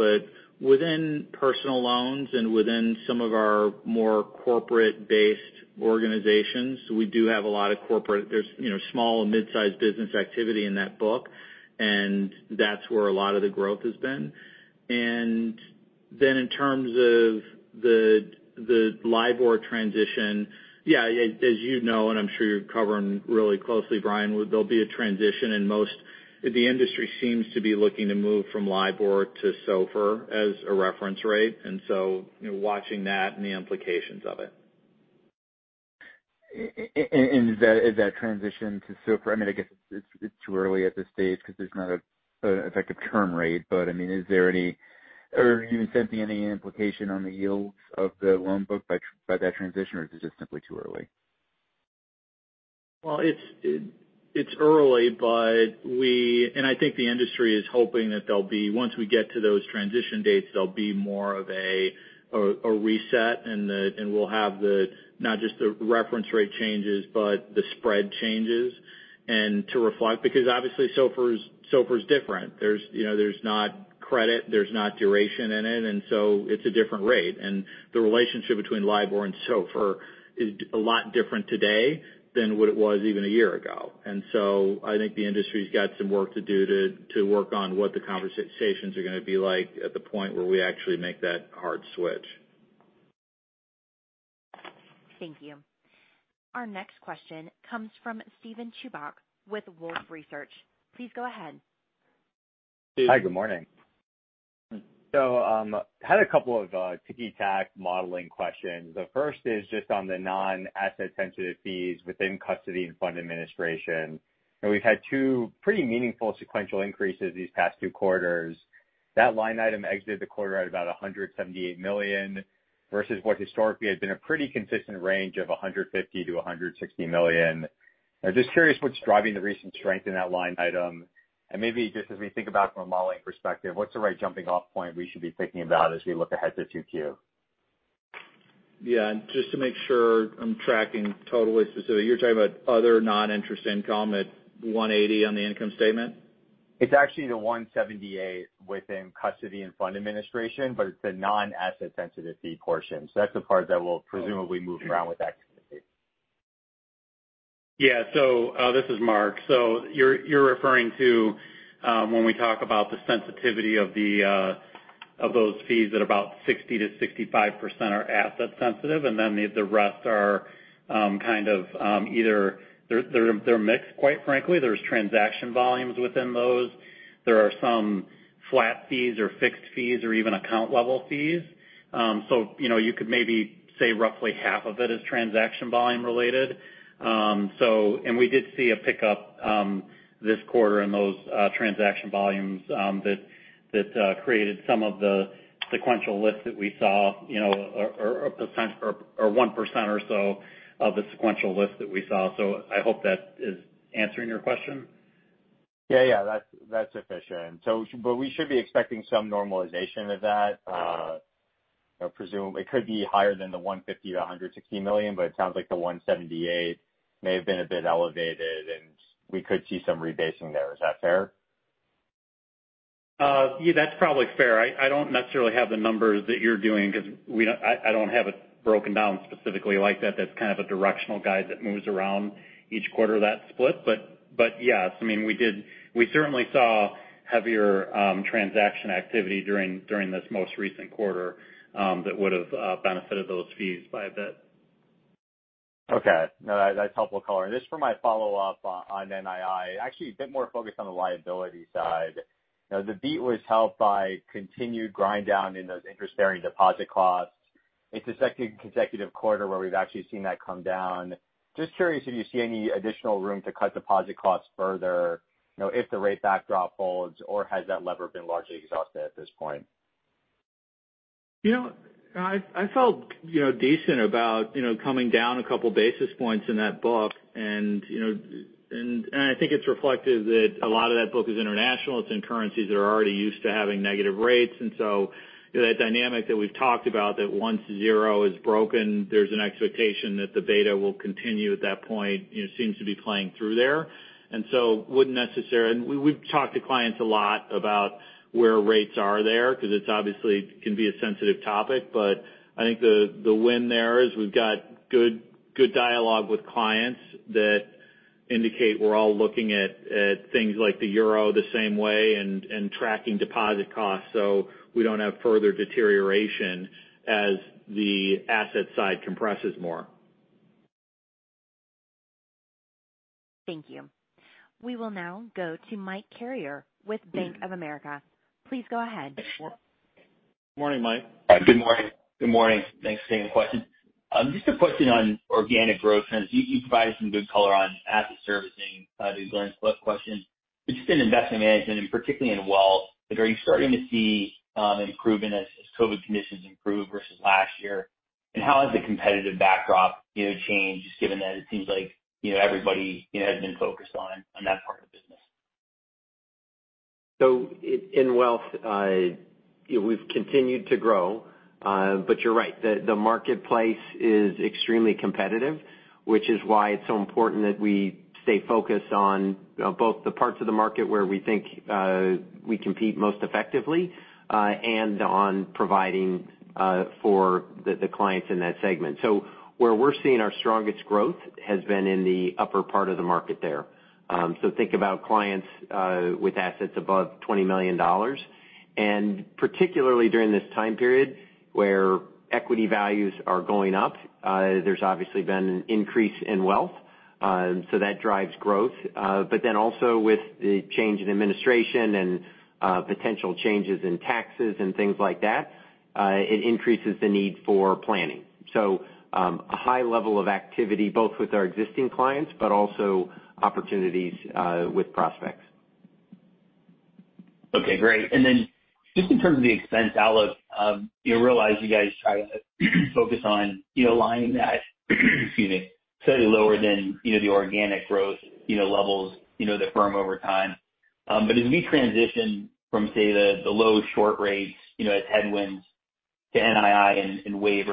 Within personal loans and within some of our more corporate-based organizations, we do have a lot of corporate, there's small and mid-sized business activity in that book, and that's where a lot of the growth has been. In terms of the LIBOR transition, yeah, as you know, and I'm sure you're covering really closely, Brian, there'll be a transition, and most of the industry seems to be looking to move from LIBOR to SOFR as a reference rate, watching that and the implications of it. Is that transition to SOFR, I mean, I guess it's too early at this stage because there's not an effective term rate. I mean, are you sensing any implication on the yields of the loan book by that transition, or is it just simply too early? Well, it's early, but we, and I think the industry is hoping that there'll be, once we get to those transition dates, there'll be more of a reset and we'll have not just the reference rate changes, but the spread changes. To reflect, because obviously SOFR is different. There's not credit, there's not duration in it, and so it's a different rate. The relationship between LIBOR and SOFR is a lot different today than what it was even a year ago. I think the industry's got some work to do to work on what the conversations are going to be like at the point where we actually make that hard switch. Thank you. Our next question comes from Steven Chubak with Wolfe Research. Please go ahead. Hi, good morning. Had a couple of ticky-tack modeling questions. The first is just on the non-asset sensitive fees within custody and fund administration. You know, we've had two pretty meaningful sequential increases these past two quarters. That line item exited the quarter at about $178 million, versus what historically had been a pretty consistent range of $150 million-$160 million. I'm just curious what's driving the recent strength in that line item. Maybe just as we think about from a modeling perspective, what's the right jumping off point we should be thinking about as we look ahead to 2Q? Yeah. Just to make sure I'm tracking this specifically, you're talking about other non-interest income at $180 on the income statement? It's actually the $178 within custody and fund administration, but it's a non-asset sensitivity portion. That's the part that will presumably move around with that sensitivity. Yeah. This is Mark. You're referring to when we talk about the sensitivity of those fees that about 60%-65% are asset sensitive, and then the rest are kind of either. They're mixed, quite frankly. There's transaction volumes within those. There are some flat fees or fixed fees or even account level fees. You could maybe say roughly half of it is transaction volume related. We did see a pickup this quarter in those transaction volumes that created some of the sequential lift that we saw, or 1% or so of the sequential lift that we saw. I hope that is answering your question. Yeah. That's sufficient. We should be expecting some normalization of that. It could be higher than the $150 million-$160 million, but it sounds like the $178 million may have been a bit elevated, and we could see some rebasing there. Is that fair? Yeah, that's probably fair. I don't necessarily have the numbers that you're doing because I don't have it broken down specifically like that. That's kind of a directional guide that moves around each quarter, that split. But yes, we certainly saw heavier transaction activity during this most recent quarter that would've benefited those fees by a bit. Okay. No, that's helpful color. Just for my follow-up on NII, actually a bit more focused on the liability side. The beat was helped by continued grind down in those interest-bearing deposit costs. It's the second consecutive quarter where we've actually seen that come down. Just curious if you see any additional room to cut deposit costs further if the rate backdrop holds or has that lever been largely exhausted at this point? I felt decent about coming down a couple basis points in that book, and I think it's reflective that a lot of that book is international. It's in currencies that are already used to having negative rates. That dynamic that we've talked about, that once zero is broken, there's an expectation that the beta will continue at that point, seems to be playing through there. We've talked to clients a lot about where rates are there because it obviously can be a sensitive topic, but I think the win there is we've got good dialogue with clients that indicate we're all looking at things like the euro the same way and tracking deposit costs, so we don't have further deterioration as the asset side compresses more. Thank you. We will now go to Mike Carrier with Bank of America. Please go ahead. Morning, Mike. Good morning. Thanks for taking the question. Just a question on organic growth trends. You provided some good color on asset servicing to Glenn's question. Just in investment management, and particularly in wealth, are you starting to see an improvement as COVID conditions improve versus last year? How has the competitive backdrop changed, given that it seems like everybody has been focused on that part of the business? In wealth, we've continued to grow. You're right. The marketplace is extremely competitive, which is why it's so important that we stay focused on both the parts of the market where we think we compete most effectively, and on providing for the clients in that segment. Where we're seeing our strongest growth has been in the upper part of the market there. Think about clients with assets above $20 million, and particularly during this time period where equity values are going up, there's obviously been an increase in wealth. That drives growth. Also with the change in administration and potential changes in taxes and things like that, it increases the need for planning. A high level of activity, both with our existing clients, but also opportunities with prospects. Okay, great. Then just in terms of the expense outlook, I realize you guys try to focus on aligning that, excuse me, slightly lower than the organic growth levels the firm over time. But as we transition from, say, the low short rates as headwinds to NII and wage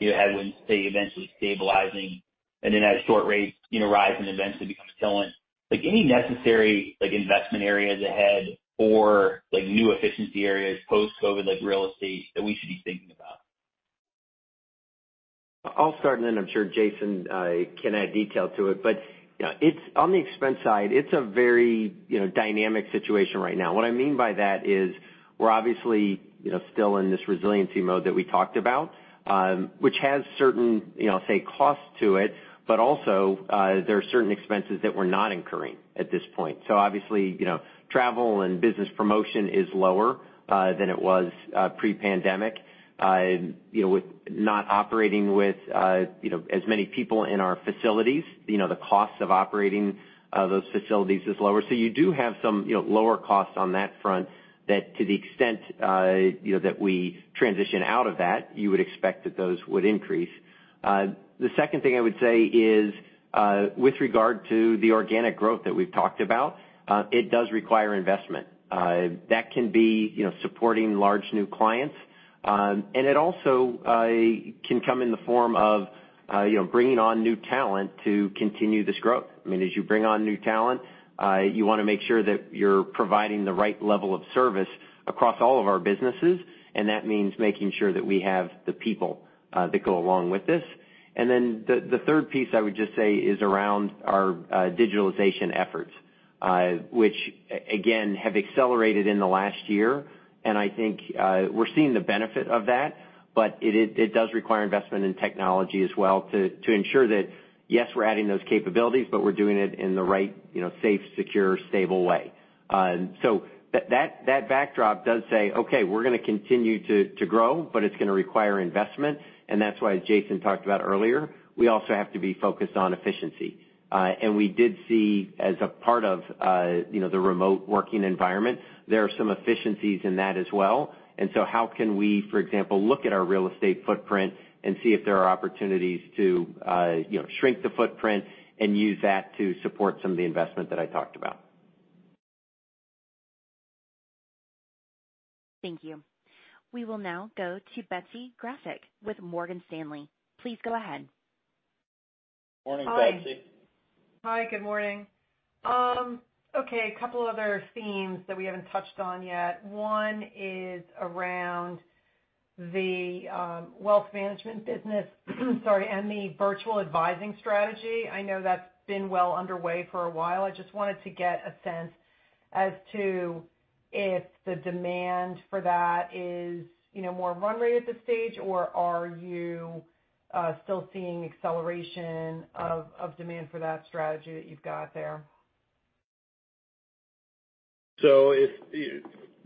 headwinds, say, eventually stabilizing, and then as short rates rise and eventually become tailwind, any necessary investment areas ahead or new efficiency areas post-COVID, like real estate, that we should be thinking about? I'll start and then I'm sure Jason can add detail to it. On the expense side, it's a very dynamic situation right now. What I mean by that is we're obviously still in this resiliency mode that we talked about, which has certain, say, costs to it, but also, there are certain expenses that we're not incurring at this point. Obviously, travel and business promotion is lower than it was pre-pandemic. With not operating with as many people in our facilities, the cost of operating those facilities is lower. You do have some lower costs on that front that, to the extent that we transition out of that, you would expect that those would increase. The second thing I would say is, with regard to the organic growth that we've talked about, it does require investment. That can be supporting large new clients. It also can come in the form of bringing on new talent to continue this growth. As you bring on new talent, you want to make sure that you're providing the right level of service across all of our businesses, and that means making sure that we have the people that go along with this. Then the third piece I would just say is around our digitalization efforts, which again have accelerated in the last year, and I think we're seeing the benefit of that, but it does require investment in technology as well to ensure that, yes, we're adding those capabilities, but we're doing it in the right, safe, secure, stable way. That backdrop does say, "Okay, we're going to continue to grow, but it's going to require investment." That's why Jason talked about earlier, we also have to be focused on efficiency. We did see, as a part of the remote working environment, there are some efficiencies in that as well. How can we, for example, look at our real estate footprint and see if there are opportunities to shrink the footprint and use that to support some of the investment that I talked about. Thank you. We will now go to Betsy Graseck with Morgan Stanley. Please go ahead. Morning, Betsy. Hi. Hi, good morning. Okay. A couple other themes that we haven't touched on yet. One is around the wealth management business sorry, and the virtual advising strategy. I know that's been well underway for a while. I just wanted to get a sense as to if the demand for that is more run rate at this stage, or are you still seeing acceleration of demand for that strategy that you've got there?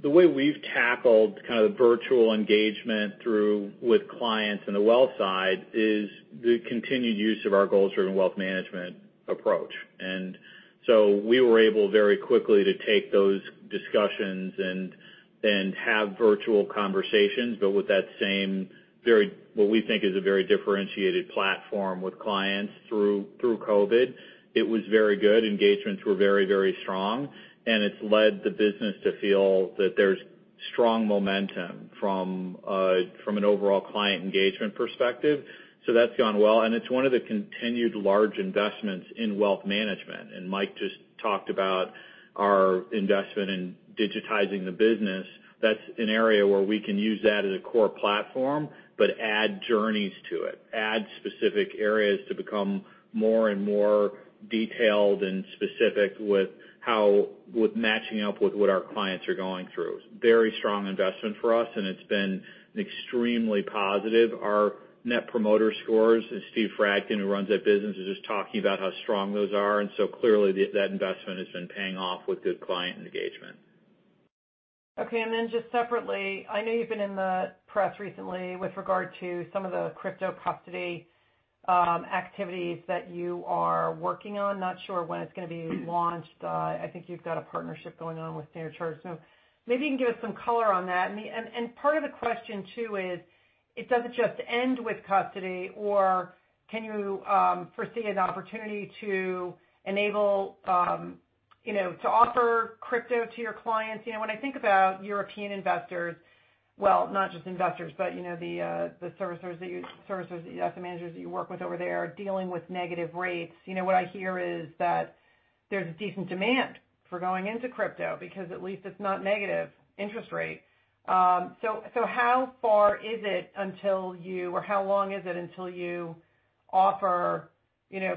The way we've tackled kind of the virtual engagement through with clients on the wealth side is the continued use of our Goals Driven Wealth Management approach. We were able very quickly to take those discussions and have virtual conversations, but with that same very, what we think is a very differentiated platform with clients through COVID. It was very good. Engagements were very, very strong, and it's led the business to feel that there's strong momentum from an overall client engagement perspective. That's gone well, and it's one of the continued large investments in wealth management. Mike just talked about our investment in digitizing the business. That's an area where we can use that as a core platform, but add journeys to it, add specific areas to become more and more detailed and specific with matching up with what our clients are going through. Very strong investment for us, and it's been extremely positive. Our Net Promoter Score, as Stephen Fradkin, who runs that business, is just talking about how strong those are, and so clearly, that investment has been paying off with good client engagement. Just separately, I know you've been in the press recently with regard to some of the crypto custody activities that you are working on. Not sure when it's going to be launched. I think you've got a partnership going on with Standard Chartered. Maybe you can give us some color on that. Part of the question, too, is it doesn't just end with custody or can you foresee an opportunity to enable, to offer crypto to your clients? When I think about European investors, well, not just investors, but the asset managers that you work with over there dealing with negative rates. What I hear is that there's a decent demand for going into crypto because at least it's not negative interest rate. How far is it until you, or how long is it until you offer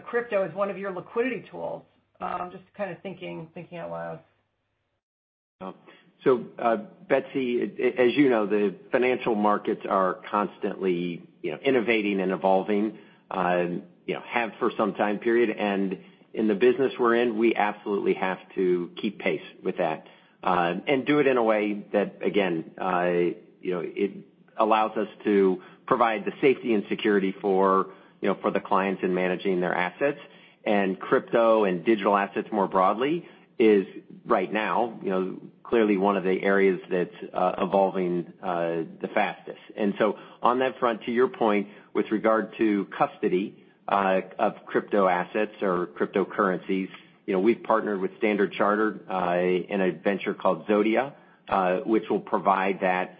crypto as one of your liquidity tools? Just kind of thinking out loud. Betsy, as you know, the financial markets are constantly innovating and evolving, have for some time period. In the business we're in, we absolutely have to keep pace with that, and do it in a way that, again, it allows us to provide the safety and security for the clients in managing their assets. Crypto and digital assets more broadly is right now clearly one of the areas that's evolving the fastest. On that front, to your point, with regard to custody of crypto assets or cryptocurrencies, we've partnered with Standard Chartered in a venture called Zodia, which will provide that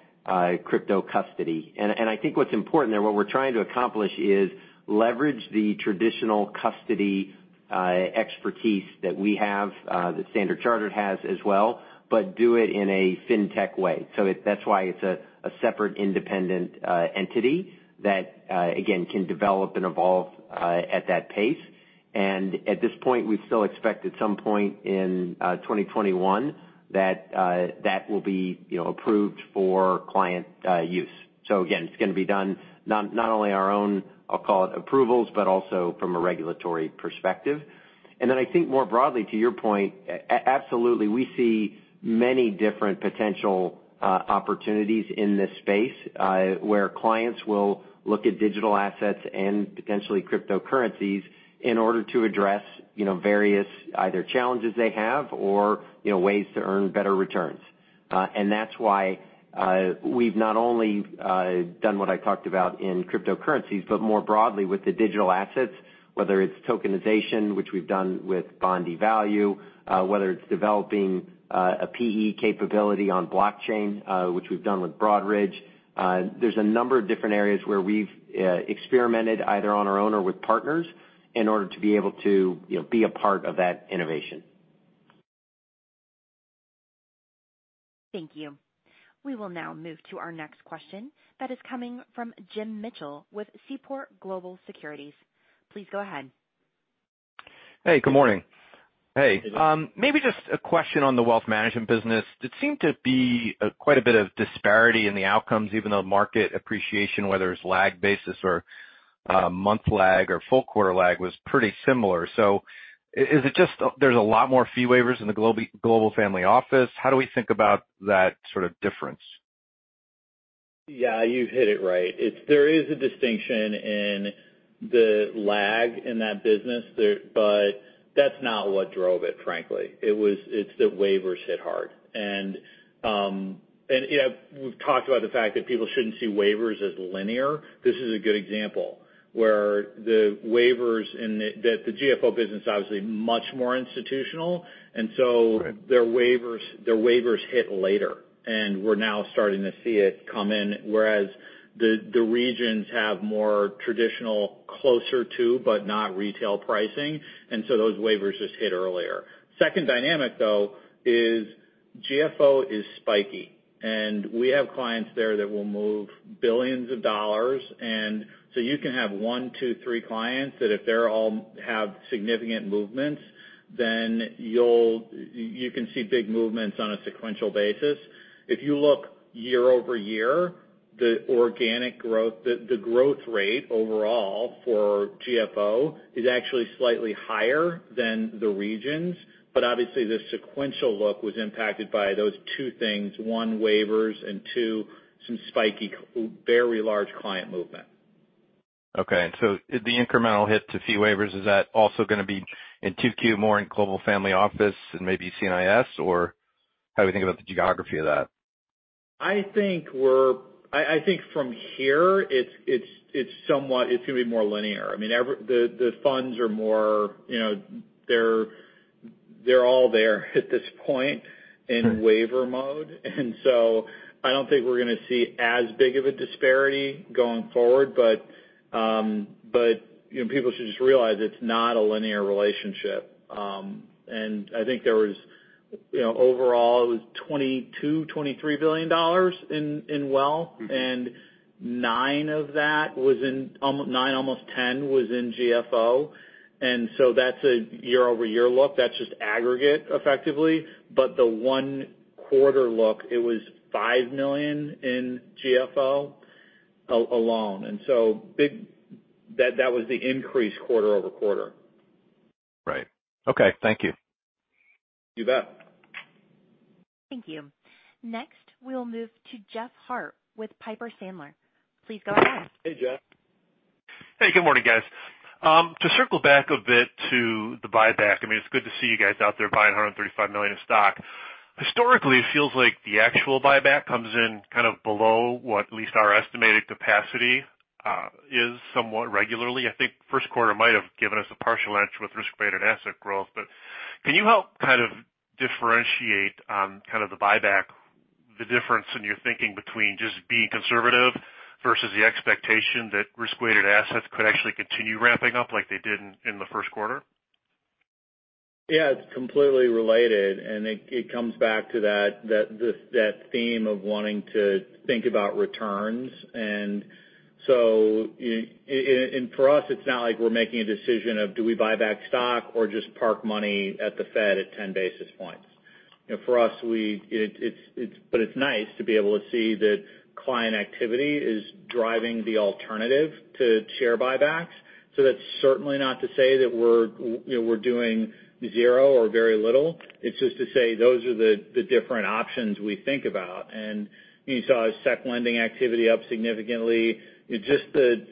crypto custody. I think what's important there, what we're trying to accomplish is leverage the traditional custody expertise that we have, that Standard Chartered has as well, but do it in a fintech way. That's why it's a separate, independent entity that again, can develop and evolve at that pace. At this point, we still expect at some point in 2021 that that will be approved for client use. Again, it's going to be done not only our own, I'll call it approvals, but also from a regulatory perspective. Then I think more broadly to your point, absolutely, we see many different potential opportunities in this space, where clients will look at digital assets and potentially cryptocurrencies in order to address various either challenges they have or ways to earn better returns. That's why, we've not only done what I talked about in cryptocurrencies, but more broadly with the digital assets, whether it's tokenization, which we've done with BondEvalue, whether it's developing a PE capability on blockchain, which we've done with Broadridge. There's a number of different areas where we've experimented either on our own or with partners in order to be able to be a part of that innovation. Thank you. We will now move to our next question that is coming from Jim Mitchell with Seaport Global Securities. Please go ahead. Hey, good morning. Hey. Maybe just a question on the wealth management business. It seemed to be quite a bit of disparity in the outcomes, even though market appreciation, whether it's lag basis or month lag or full quarter lag, was pretty similar. Is it just there's a lot more fee waivers in the Global Family Office? How do we think about that sort of difference? Yeah, you hit it right. There is a distinction in the lag in that business, but that's not what drove it, frankly. It's that waivers hit hard. We've talked about the fact that people shouldn't see waivers as linear. This is a good example that the GFO business is obviously much more institutional, and so- Right Their waivers hit later, and we're now starting to see it come in. Whereas the regions have more traditional, closer to, but not retail pricing, and so those waivers just hit earlier. Second dynamic, though, is GFO is spiky. We have clients there that will move $ billions. You can have one, two, three clients that if they all have significant movements, then you can see big movements on a sequential basis. If you look year-over-year, the organic growth, the growth rate overall for GFO is actually slightly higher than the regions. Obviously, the sequential look was impacted by those two things. One, waivers, and two, some spiky, very large client movement. Okay. The incremental hit to fee waivers, is that also going to be in 2Q more in Global Family Office and maybe C&IS? Or how do we think about the geography of that? I think from here, it's going to be more linear. I mean, the funds, they're all there at this point in waiver mode. I don't think we're going to see as big of a disparity going forward. People should just realize it's not a linear relationship. I think there was overall it was $22 billion-$23 billion in wealth. Nine of that, almost 10, was in GFO. That's a year-over-year look. That's just aggregate effectively. The one quarter look, it was $5 million in GFO alone. That was the increase quarter-over-quarter. Right. Okay. Thank you. You bet. Thank you. Next, we'll move to Jeff Harte with Piper Sandler. Please go ahead. Hey, Jeff. Hey, good morning, guys. To circle back a bit to the buyback, I mean, it's good to see you guys out there buying 135 million of stock. Historically, it feels like the actual buyback comes in kind of below what at least our estimated capacity is somewhat regularly. I think first quarter might have given us a partial edge with risk-weighted asset growth. Can you help kind of differentiate kind of the buyback, the difference in your thinking between just being conservative versus the expectation that risk-weighted assets could actually continue ramping up like they did in the first quarter? Yeah, it's completely related, and it comes back to that theme of wanting to think about returns. For us, it's not like we're making a decision of do we buy back stock or just park money at the Fed at 10 basis points. It's nice to be able to see that client activity is driving the alternative to share buybacks. That's certainly not to say that we're doing zero or very little. It's just to say those are the different options we think about. You saw SEC lending activity up significantly. Just the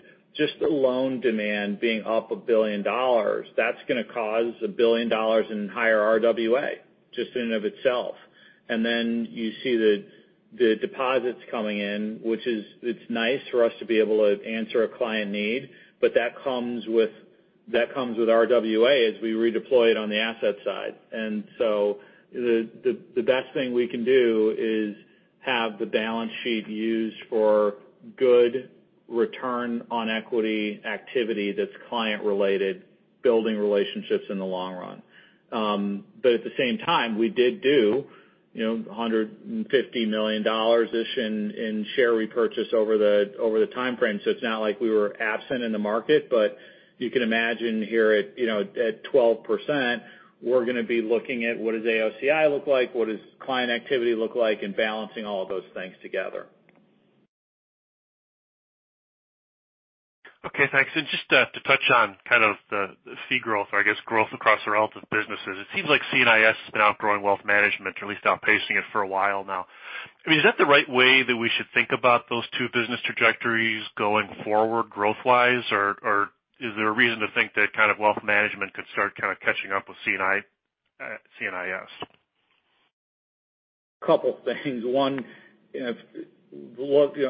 loan demand being up $1 billion, that's going to cause $1 billion in higher RWA, just in and of itself. Then you see the deposits coming in, which is nice for us to be able to answer a client need, but that comes with RWA as we redeploy it on the asset side. The best thing we can do is have the balance sheet used for good return on equity activity that's client related, building relationships in the long run. At the same time, we did do $150 million-ish in share repurchase over the time frame. It's not like we were absent in the market, but you can imagine here at 12%, we're going to be looking at what does AOCI look like, what does client activity look like, and balancing all of those things together. Okay, thanks. Just to touch on kind of the fee growth or I guess growth across the relative businesses, it seems like C&IS has been outgrowing wealth management or at least outpacing it for a while now. I mean, is that the right way that we should think about those two business trajectories going forward growth-wise? Or is there a reason to think that kind of wealth management could start kind of catching up with C&IS? A couple things. One,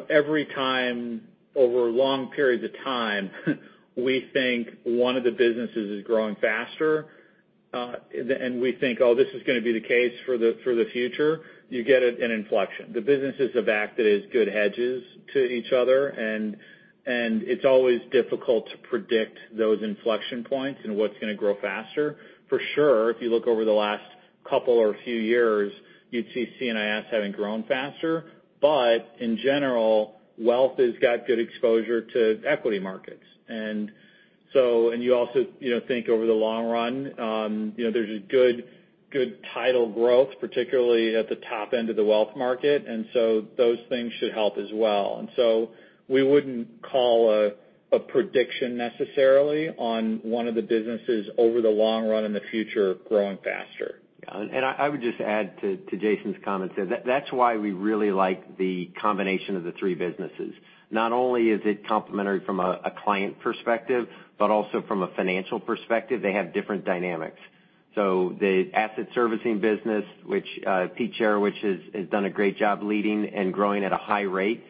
every time over long periods of time we think one of the businesses is growing faster, and we think, "Oh, this is going to be the case for the future," you get an inflection. The business is the fact that it's good hedges to each other, and it's always difficult to predict those inflection points and what's going to grow faster. For sure, if you look over the last couple or few years, you'd see C&IS having grown faster. In general, Wealth has got good exposure to equity markets. You also think over the long run, there's a good tail growth, particularly at the top end of the wealth market, and so those things should help as well. We wouldn't make a prediction necessarily on one of the businesses over the long run in the future growing faster. Yeah. I would just add to Jason's comment there, that's why we really like the combination of the three businesses. Not only is it complementary from a client perspective, but also from a financial perspective, they have different dynamics. The asset servicing business, which Peter Cherecwich has done a great job leading and growing at a high rate,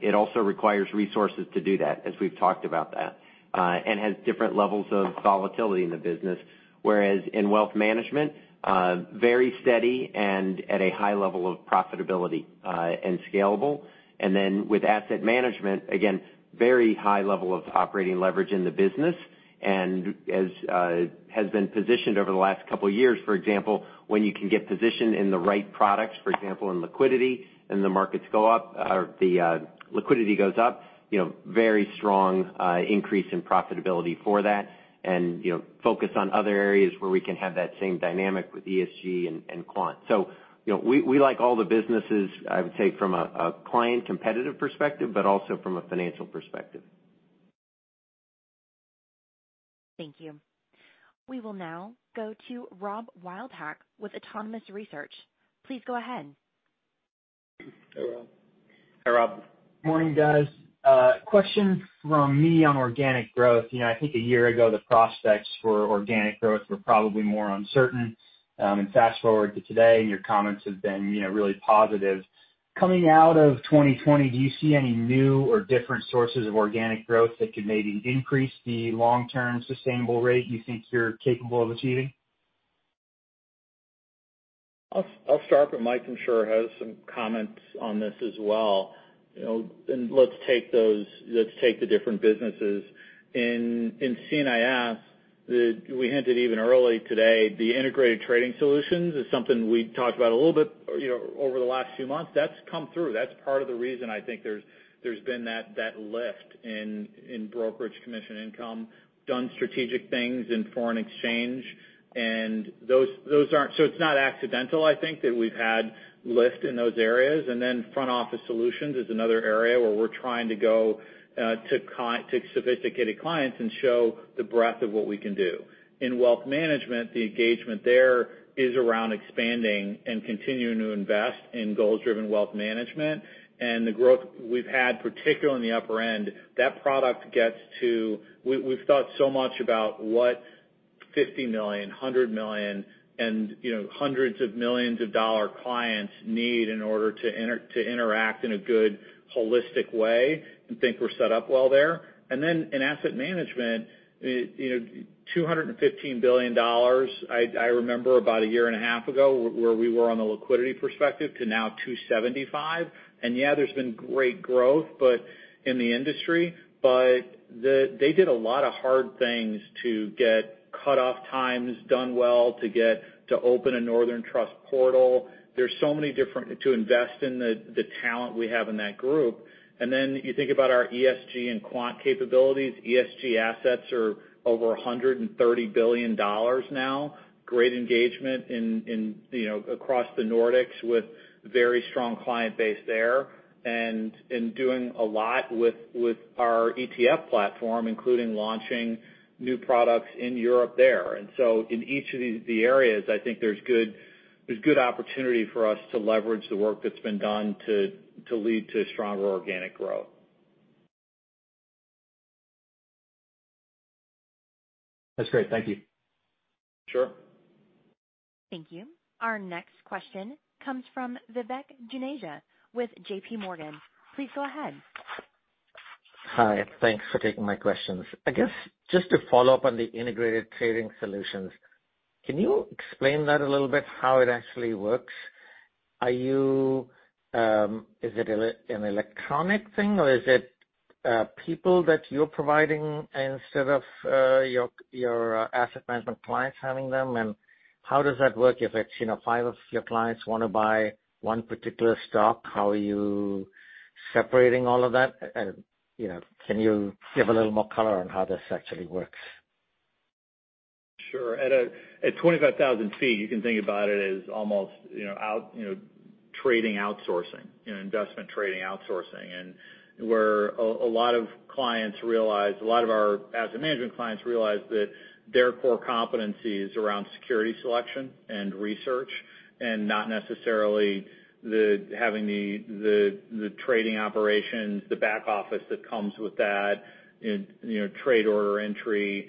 it also requires resources to do that, as we've talked about that, and has different levels of volatility in the business. Whereas in wealth management, very steady and at a high level of profitability, and scalable. Then with asset management, again, very high level of operating leverage in the business, and has been positioned over the last couple of years, for example, when you can get positioned in the right products, for example, in liquidity, and the liquidity goes up, very strong increase in profitability for that, and focus on other areas where we can have that same dynamic with ESG and quant. We like all the businesses, I would say, from a client competitive perspective, but also from a financial perspective. Thank you. We will now go to Robert Wildhack with Autonomous Research. Please go ahead. Hey, Rob. Hey, Rob. Morning, guys. Question from me on organic growth. I think a year ago, the prospects for organic growth were probably more uncertain. Fast-forward to today, and your comments have been really positive. Coming out of 2020, do you see any new or different sources of organic growth that could maybe increase the long-term sustainable rate you think you're capable of achieving? I'll start, but Mike, I'm sure, has some comments on this as well. Let's take the different businesses. In C&IS, we hinted even early today, the Integrated Trading Solutions is something we talked about a little bit over the last few months. That's come through. That's part of the reason I think there's been that lift in brokerage commission income. Done strategic things in foreign exchange. It's not accidental, I think, that we've had lift in those areas. Then Front Office Solutions is another area where we're trying to go to sophisticated clients and show the breadth of what we can do. In wealth management, the engagement there is around expanding and continuing to invest in Goals Driven Wealth Management. The growth we've had, particularly in the upper end, that product gets to We've thought so much about what $50 million, $100 million, and hundreds of millions of dollar clients need in order to interact in a good holistic way and think we're set up well there. In asset management, $215 billion, I remember about a year and a half ago, where we were on the liquidity perspective to now $275 billion. Yeah, there's been great growth in the industry, but they did a lot of hard things to get cutoff times done well, to open a Northern Trust portal, to invest in the talent we have in that group. You think about our ESG and quant capabilities. ESG assets are over $130 billion now. Great engagement across the Nordics with very strong client base there, and doing a lot with our ETF platform, including launching new products in Europe there. In each of the areas, I think there's good opportunity for us to leverage the work that's been done to lead to stronger organic growth. That's great. Thank you. Sure. Thank you. Our next question comes from Vivek Juneja with JPMorgan. Please go ahead. Hi. Thanks for taking my questions. I guess, just to follow up on Integrated Trading Solutions, can you explain that a little bit, how it actually works? Is it an electronic thing, or is it people that you're providing instead of your asset management clients having them? How does that work if five of your clients want to buy one particular stock, how are you separating all of that? Can you give a little more color on how this actually works? Sure. At 25,000 ft, you can think about it as almost trading outsourcing, investment trading outsourcing. Where a lot of our asset management clients realize that their core competency is around security selection and research, and not necessarily having the trading operations, the back office that comes with that, trade order entry.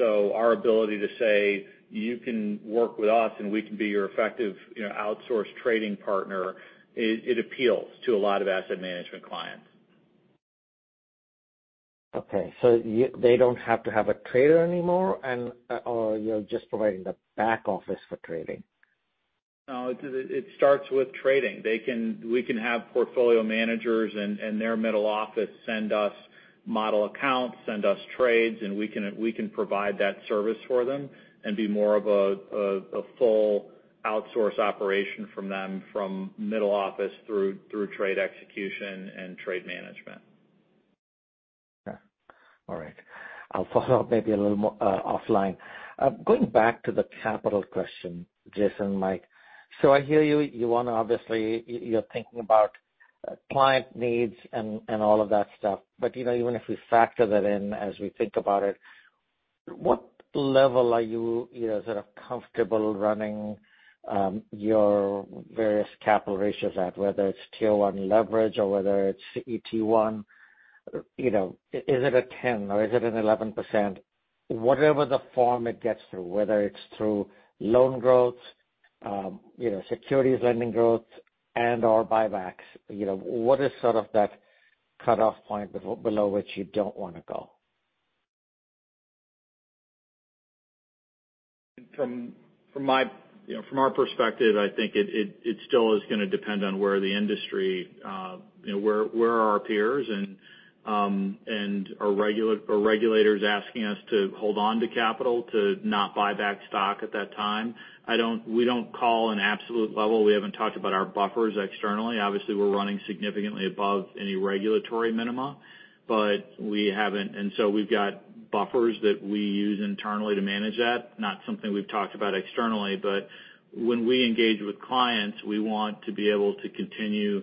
Our ability to say, "You can work with us, and we can be your effective outsourced trading partner." It appeals to a lot of asset management clients. Okay. They don't have to have a trader anymore, or you're just providing the back office for trading? No, it starts with trading. We can have portfolio managers and their middle office send us model accounts, send us trades, and we can provide that service for them and be more of a full outsource operation from them middle office through trade execution and trade management. Yeah. All right. I'll follow up maybe a little more offline. Going back to the capital question, Jason, Mike. So I hear you. You're thinking about client needs and all of that stuff. But even if we factor that in as we think about it, what level are you sort of comfortable running your various capital ratios at, whether it's Tier 1 leverage or whether it's CET1? Is it a 10% or is it an 11%? Whatever the form it gets through, whether it's through loan growth, securities lending growth and/or buybacks, what is sort of that cutoff point below which you don't want to go? From our perspective, I think it still is going to depend on where our peers and regulators are asking us to hold on to capital to not buy back stock at that time. We don't have an absolute level. We haven't talked about our buffers externally. Obviously, we're running significantly above any regulatory minima. We've got buffers that we use internally to manage that. Not something we've talked about externally, but when we engage with clients, we want to be able to continue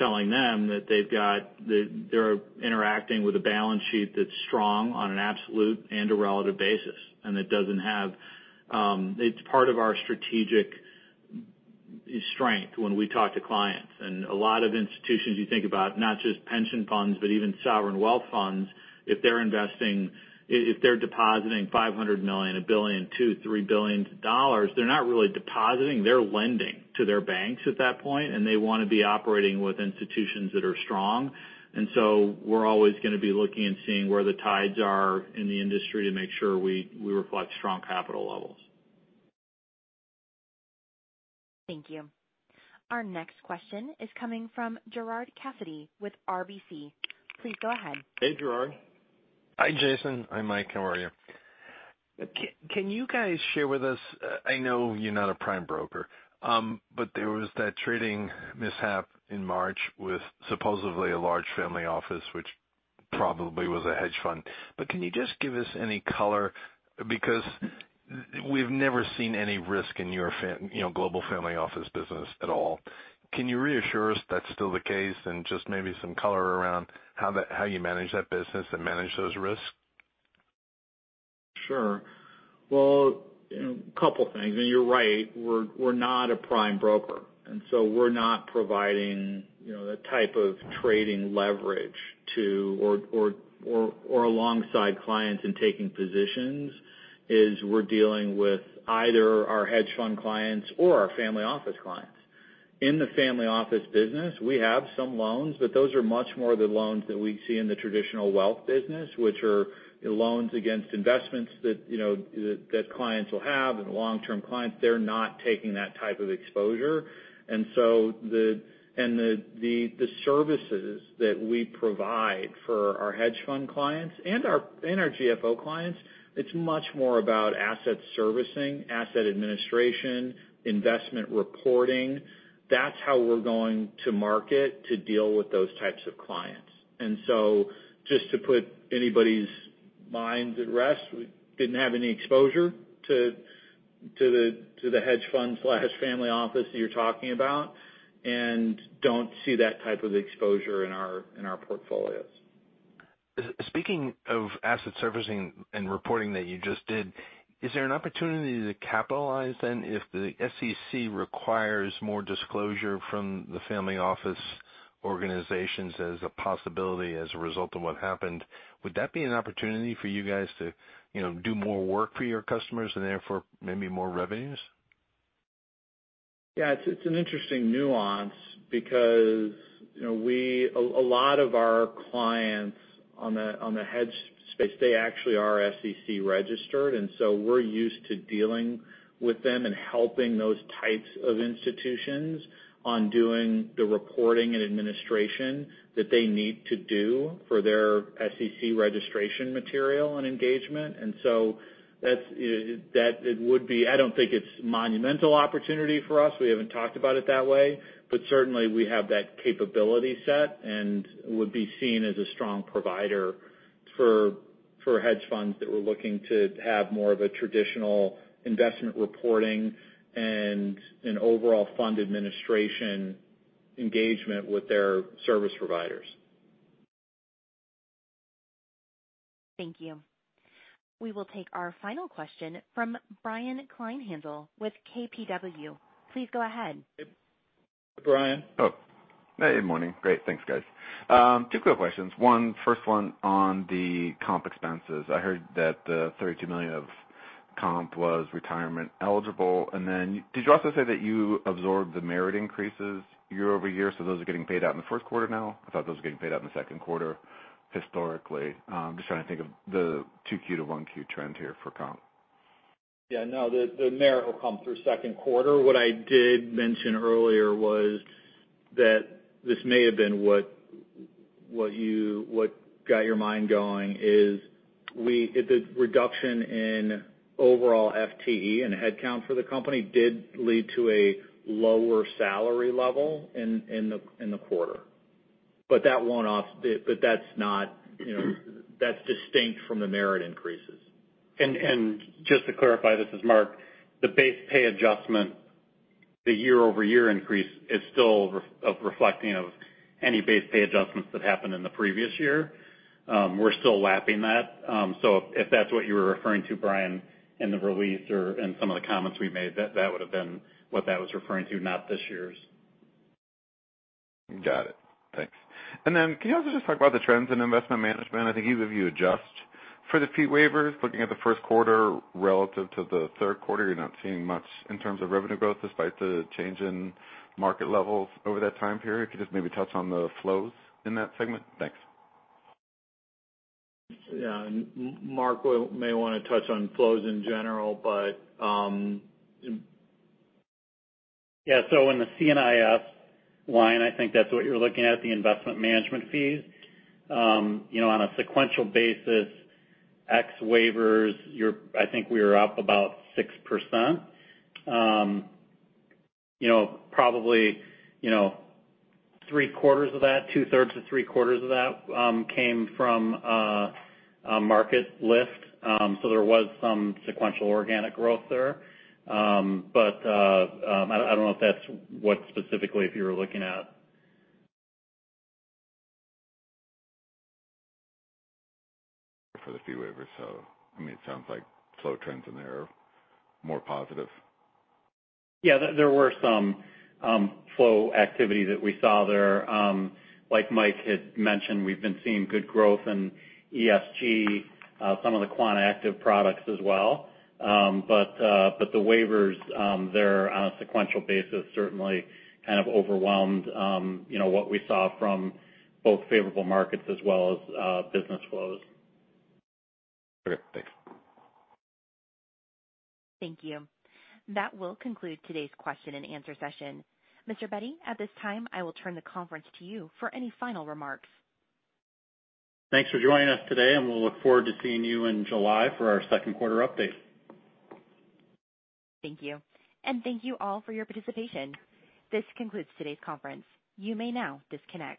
telling them that they're interacting with a balance sheet that's strong on an absolute and a relative basis, and it's part of our strategic strength when we talk to clients. A lot of institutions you think about, not just pension funds, but even sovereign wealth funds, if they're depositing $500 million, $1 billion, $2 billion, $3 billion, they're not really depositing. They're lending to their banks at that point, and they want to be operating with institutions that are strong. We're always going to be looking and seeing where the tides are in the industry to make sure we reflect strong capital levels. Thank you. Our next question is coming from Gerard Cassidy with RBC. Please go ahead. Hey, Gerard. Hi, Jason. Hi, Mike. How are you? Can you guys share with us, I know you're not a prime broker, but there was that trading mishap in March with supposedly a large family office, which probably was a hedge fund. Can you just give us any color? Because we've never seen any risk in your Global Family Office business at all. Can you reassure us that's still the case and just maybe some color around how you manage that business and manage those risks? Sure. Well, a couple things. You're right, we're not a prime broker, and so we're not providing the type of trading leverage to or alongside clients and taking positions as we're dealing with either our hedge fund clients or our family office clients. In the family office business, we have some loans, but those are much more the loans that we see in the traditional wealth business, which are loans against investments that clients will have and long-term clients, they're not taking that type of exposure. The services that we provide for our hedge fund clients and our GFO clients, it's much more about asset servicing, asset administration, investment reporting. That's how we're going to market to deal with those types of clients. Just to put anybody's minds at rest, we didn't have any exposure to the hedge fund/family office that you're talking about, and don't see that type of exposure in our portfolios. Speaking of asset servicing and reporting that you just did, is there an opportunity to capitalize then, if the SEC requires more disclosure from the family office organizations as a possibility as a result of what happened, would that be an opportunity for you guys to do more work for your customers and therefore maybe more revenues? Yeah. It's an interesting nuance because a lot of our clients on the hedge space, they actually are SEC-registered, and so we're used to dealing with them and helping those types of institutions on doing the reporting and administration that they need to do for their SEC registration material and engagement. I don't think it's monumental opportunity for us. We haven't talked about it that way, but certainly we have that capability set and would be seen as a strong provider for hedge funds that we're looking to have more of a traditional investment reporting and an overall fund administration engagement with their service providers. Thank you. We will take our final question from Brian Kleinhanzl with KBW. Please go ahead. Brian. Oh, good morning. Great. Thanks, guys. Two quick questions. First one on the comp expenses. I heard that the $32 million of comp was retirement eligible. Did you also say that you absorbed the merit increases year-over-year? Those are getting paid out in the first quarter now? I thought those were getting paid out in the second quarter historically. I'm just trying to think of the 2Q to 1Q trend here for comp. Yeah, no, the merit will come through second quarter. What I did mention earlier was that this may have been what got your mind going is the reduction in overall FTE and headcount for the company did lead to a lower salary level in the quarter. But that's distinct from the merit increases. Just to clarify, this is Mark. The base pay adjustment, the year-over-year increase, is still reflective of any base pay adjustments that happened in the previous year. We're still lapping that. So if that's what you were referring to, Brian, in the release or in some of the comments we made, that would've been what that was referring to, not this year's. Got it. Thanks. Can you also just talk about the trends in investment management? I think even if you adjust for the fee waivers, looking at the first quarter relative to the third quarter, you're not seeing much in terms of revenue growth despite the change in market levels over that time period. Could you just maybe touch on the flows in that segment? Thanks. Yeah. Mark may want to touch on flows in general but. Yeah. In the C&IS line, I think that's what you're looking at, the investment management fees. On a sequential basis, ex waivers, I think we were up about 6%. Probably two-thirds to three-quarters of that came from a market lift. There was some sequential organic growth there. I don't know if that's specifically what you were looking at. For the fee waivers, so it sounds like flow trends in there are more positive. Yeah. There were some flow activity that we saw there. Like Mike had mentioned, we've been seeing good growth in ESG, some of the quant active products as well. The waivers there, on a sequential basis, certainly kind of overwhelmed what we saw from both favorable markets as well as business flows. Okay, thanks. Thank you. That will conclude today's question and answer session. Mr. Bette, at this time, I will turn the conference to you for any final remarks. Thanks for joining us today, and we'll look forward to seeing you in July for our second quarter update. Thank you, and thank you all for your participation. This concludes today's conference. You may now disconnect.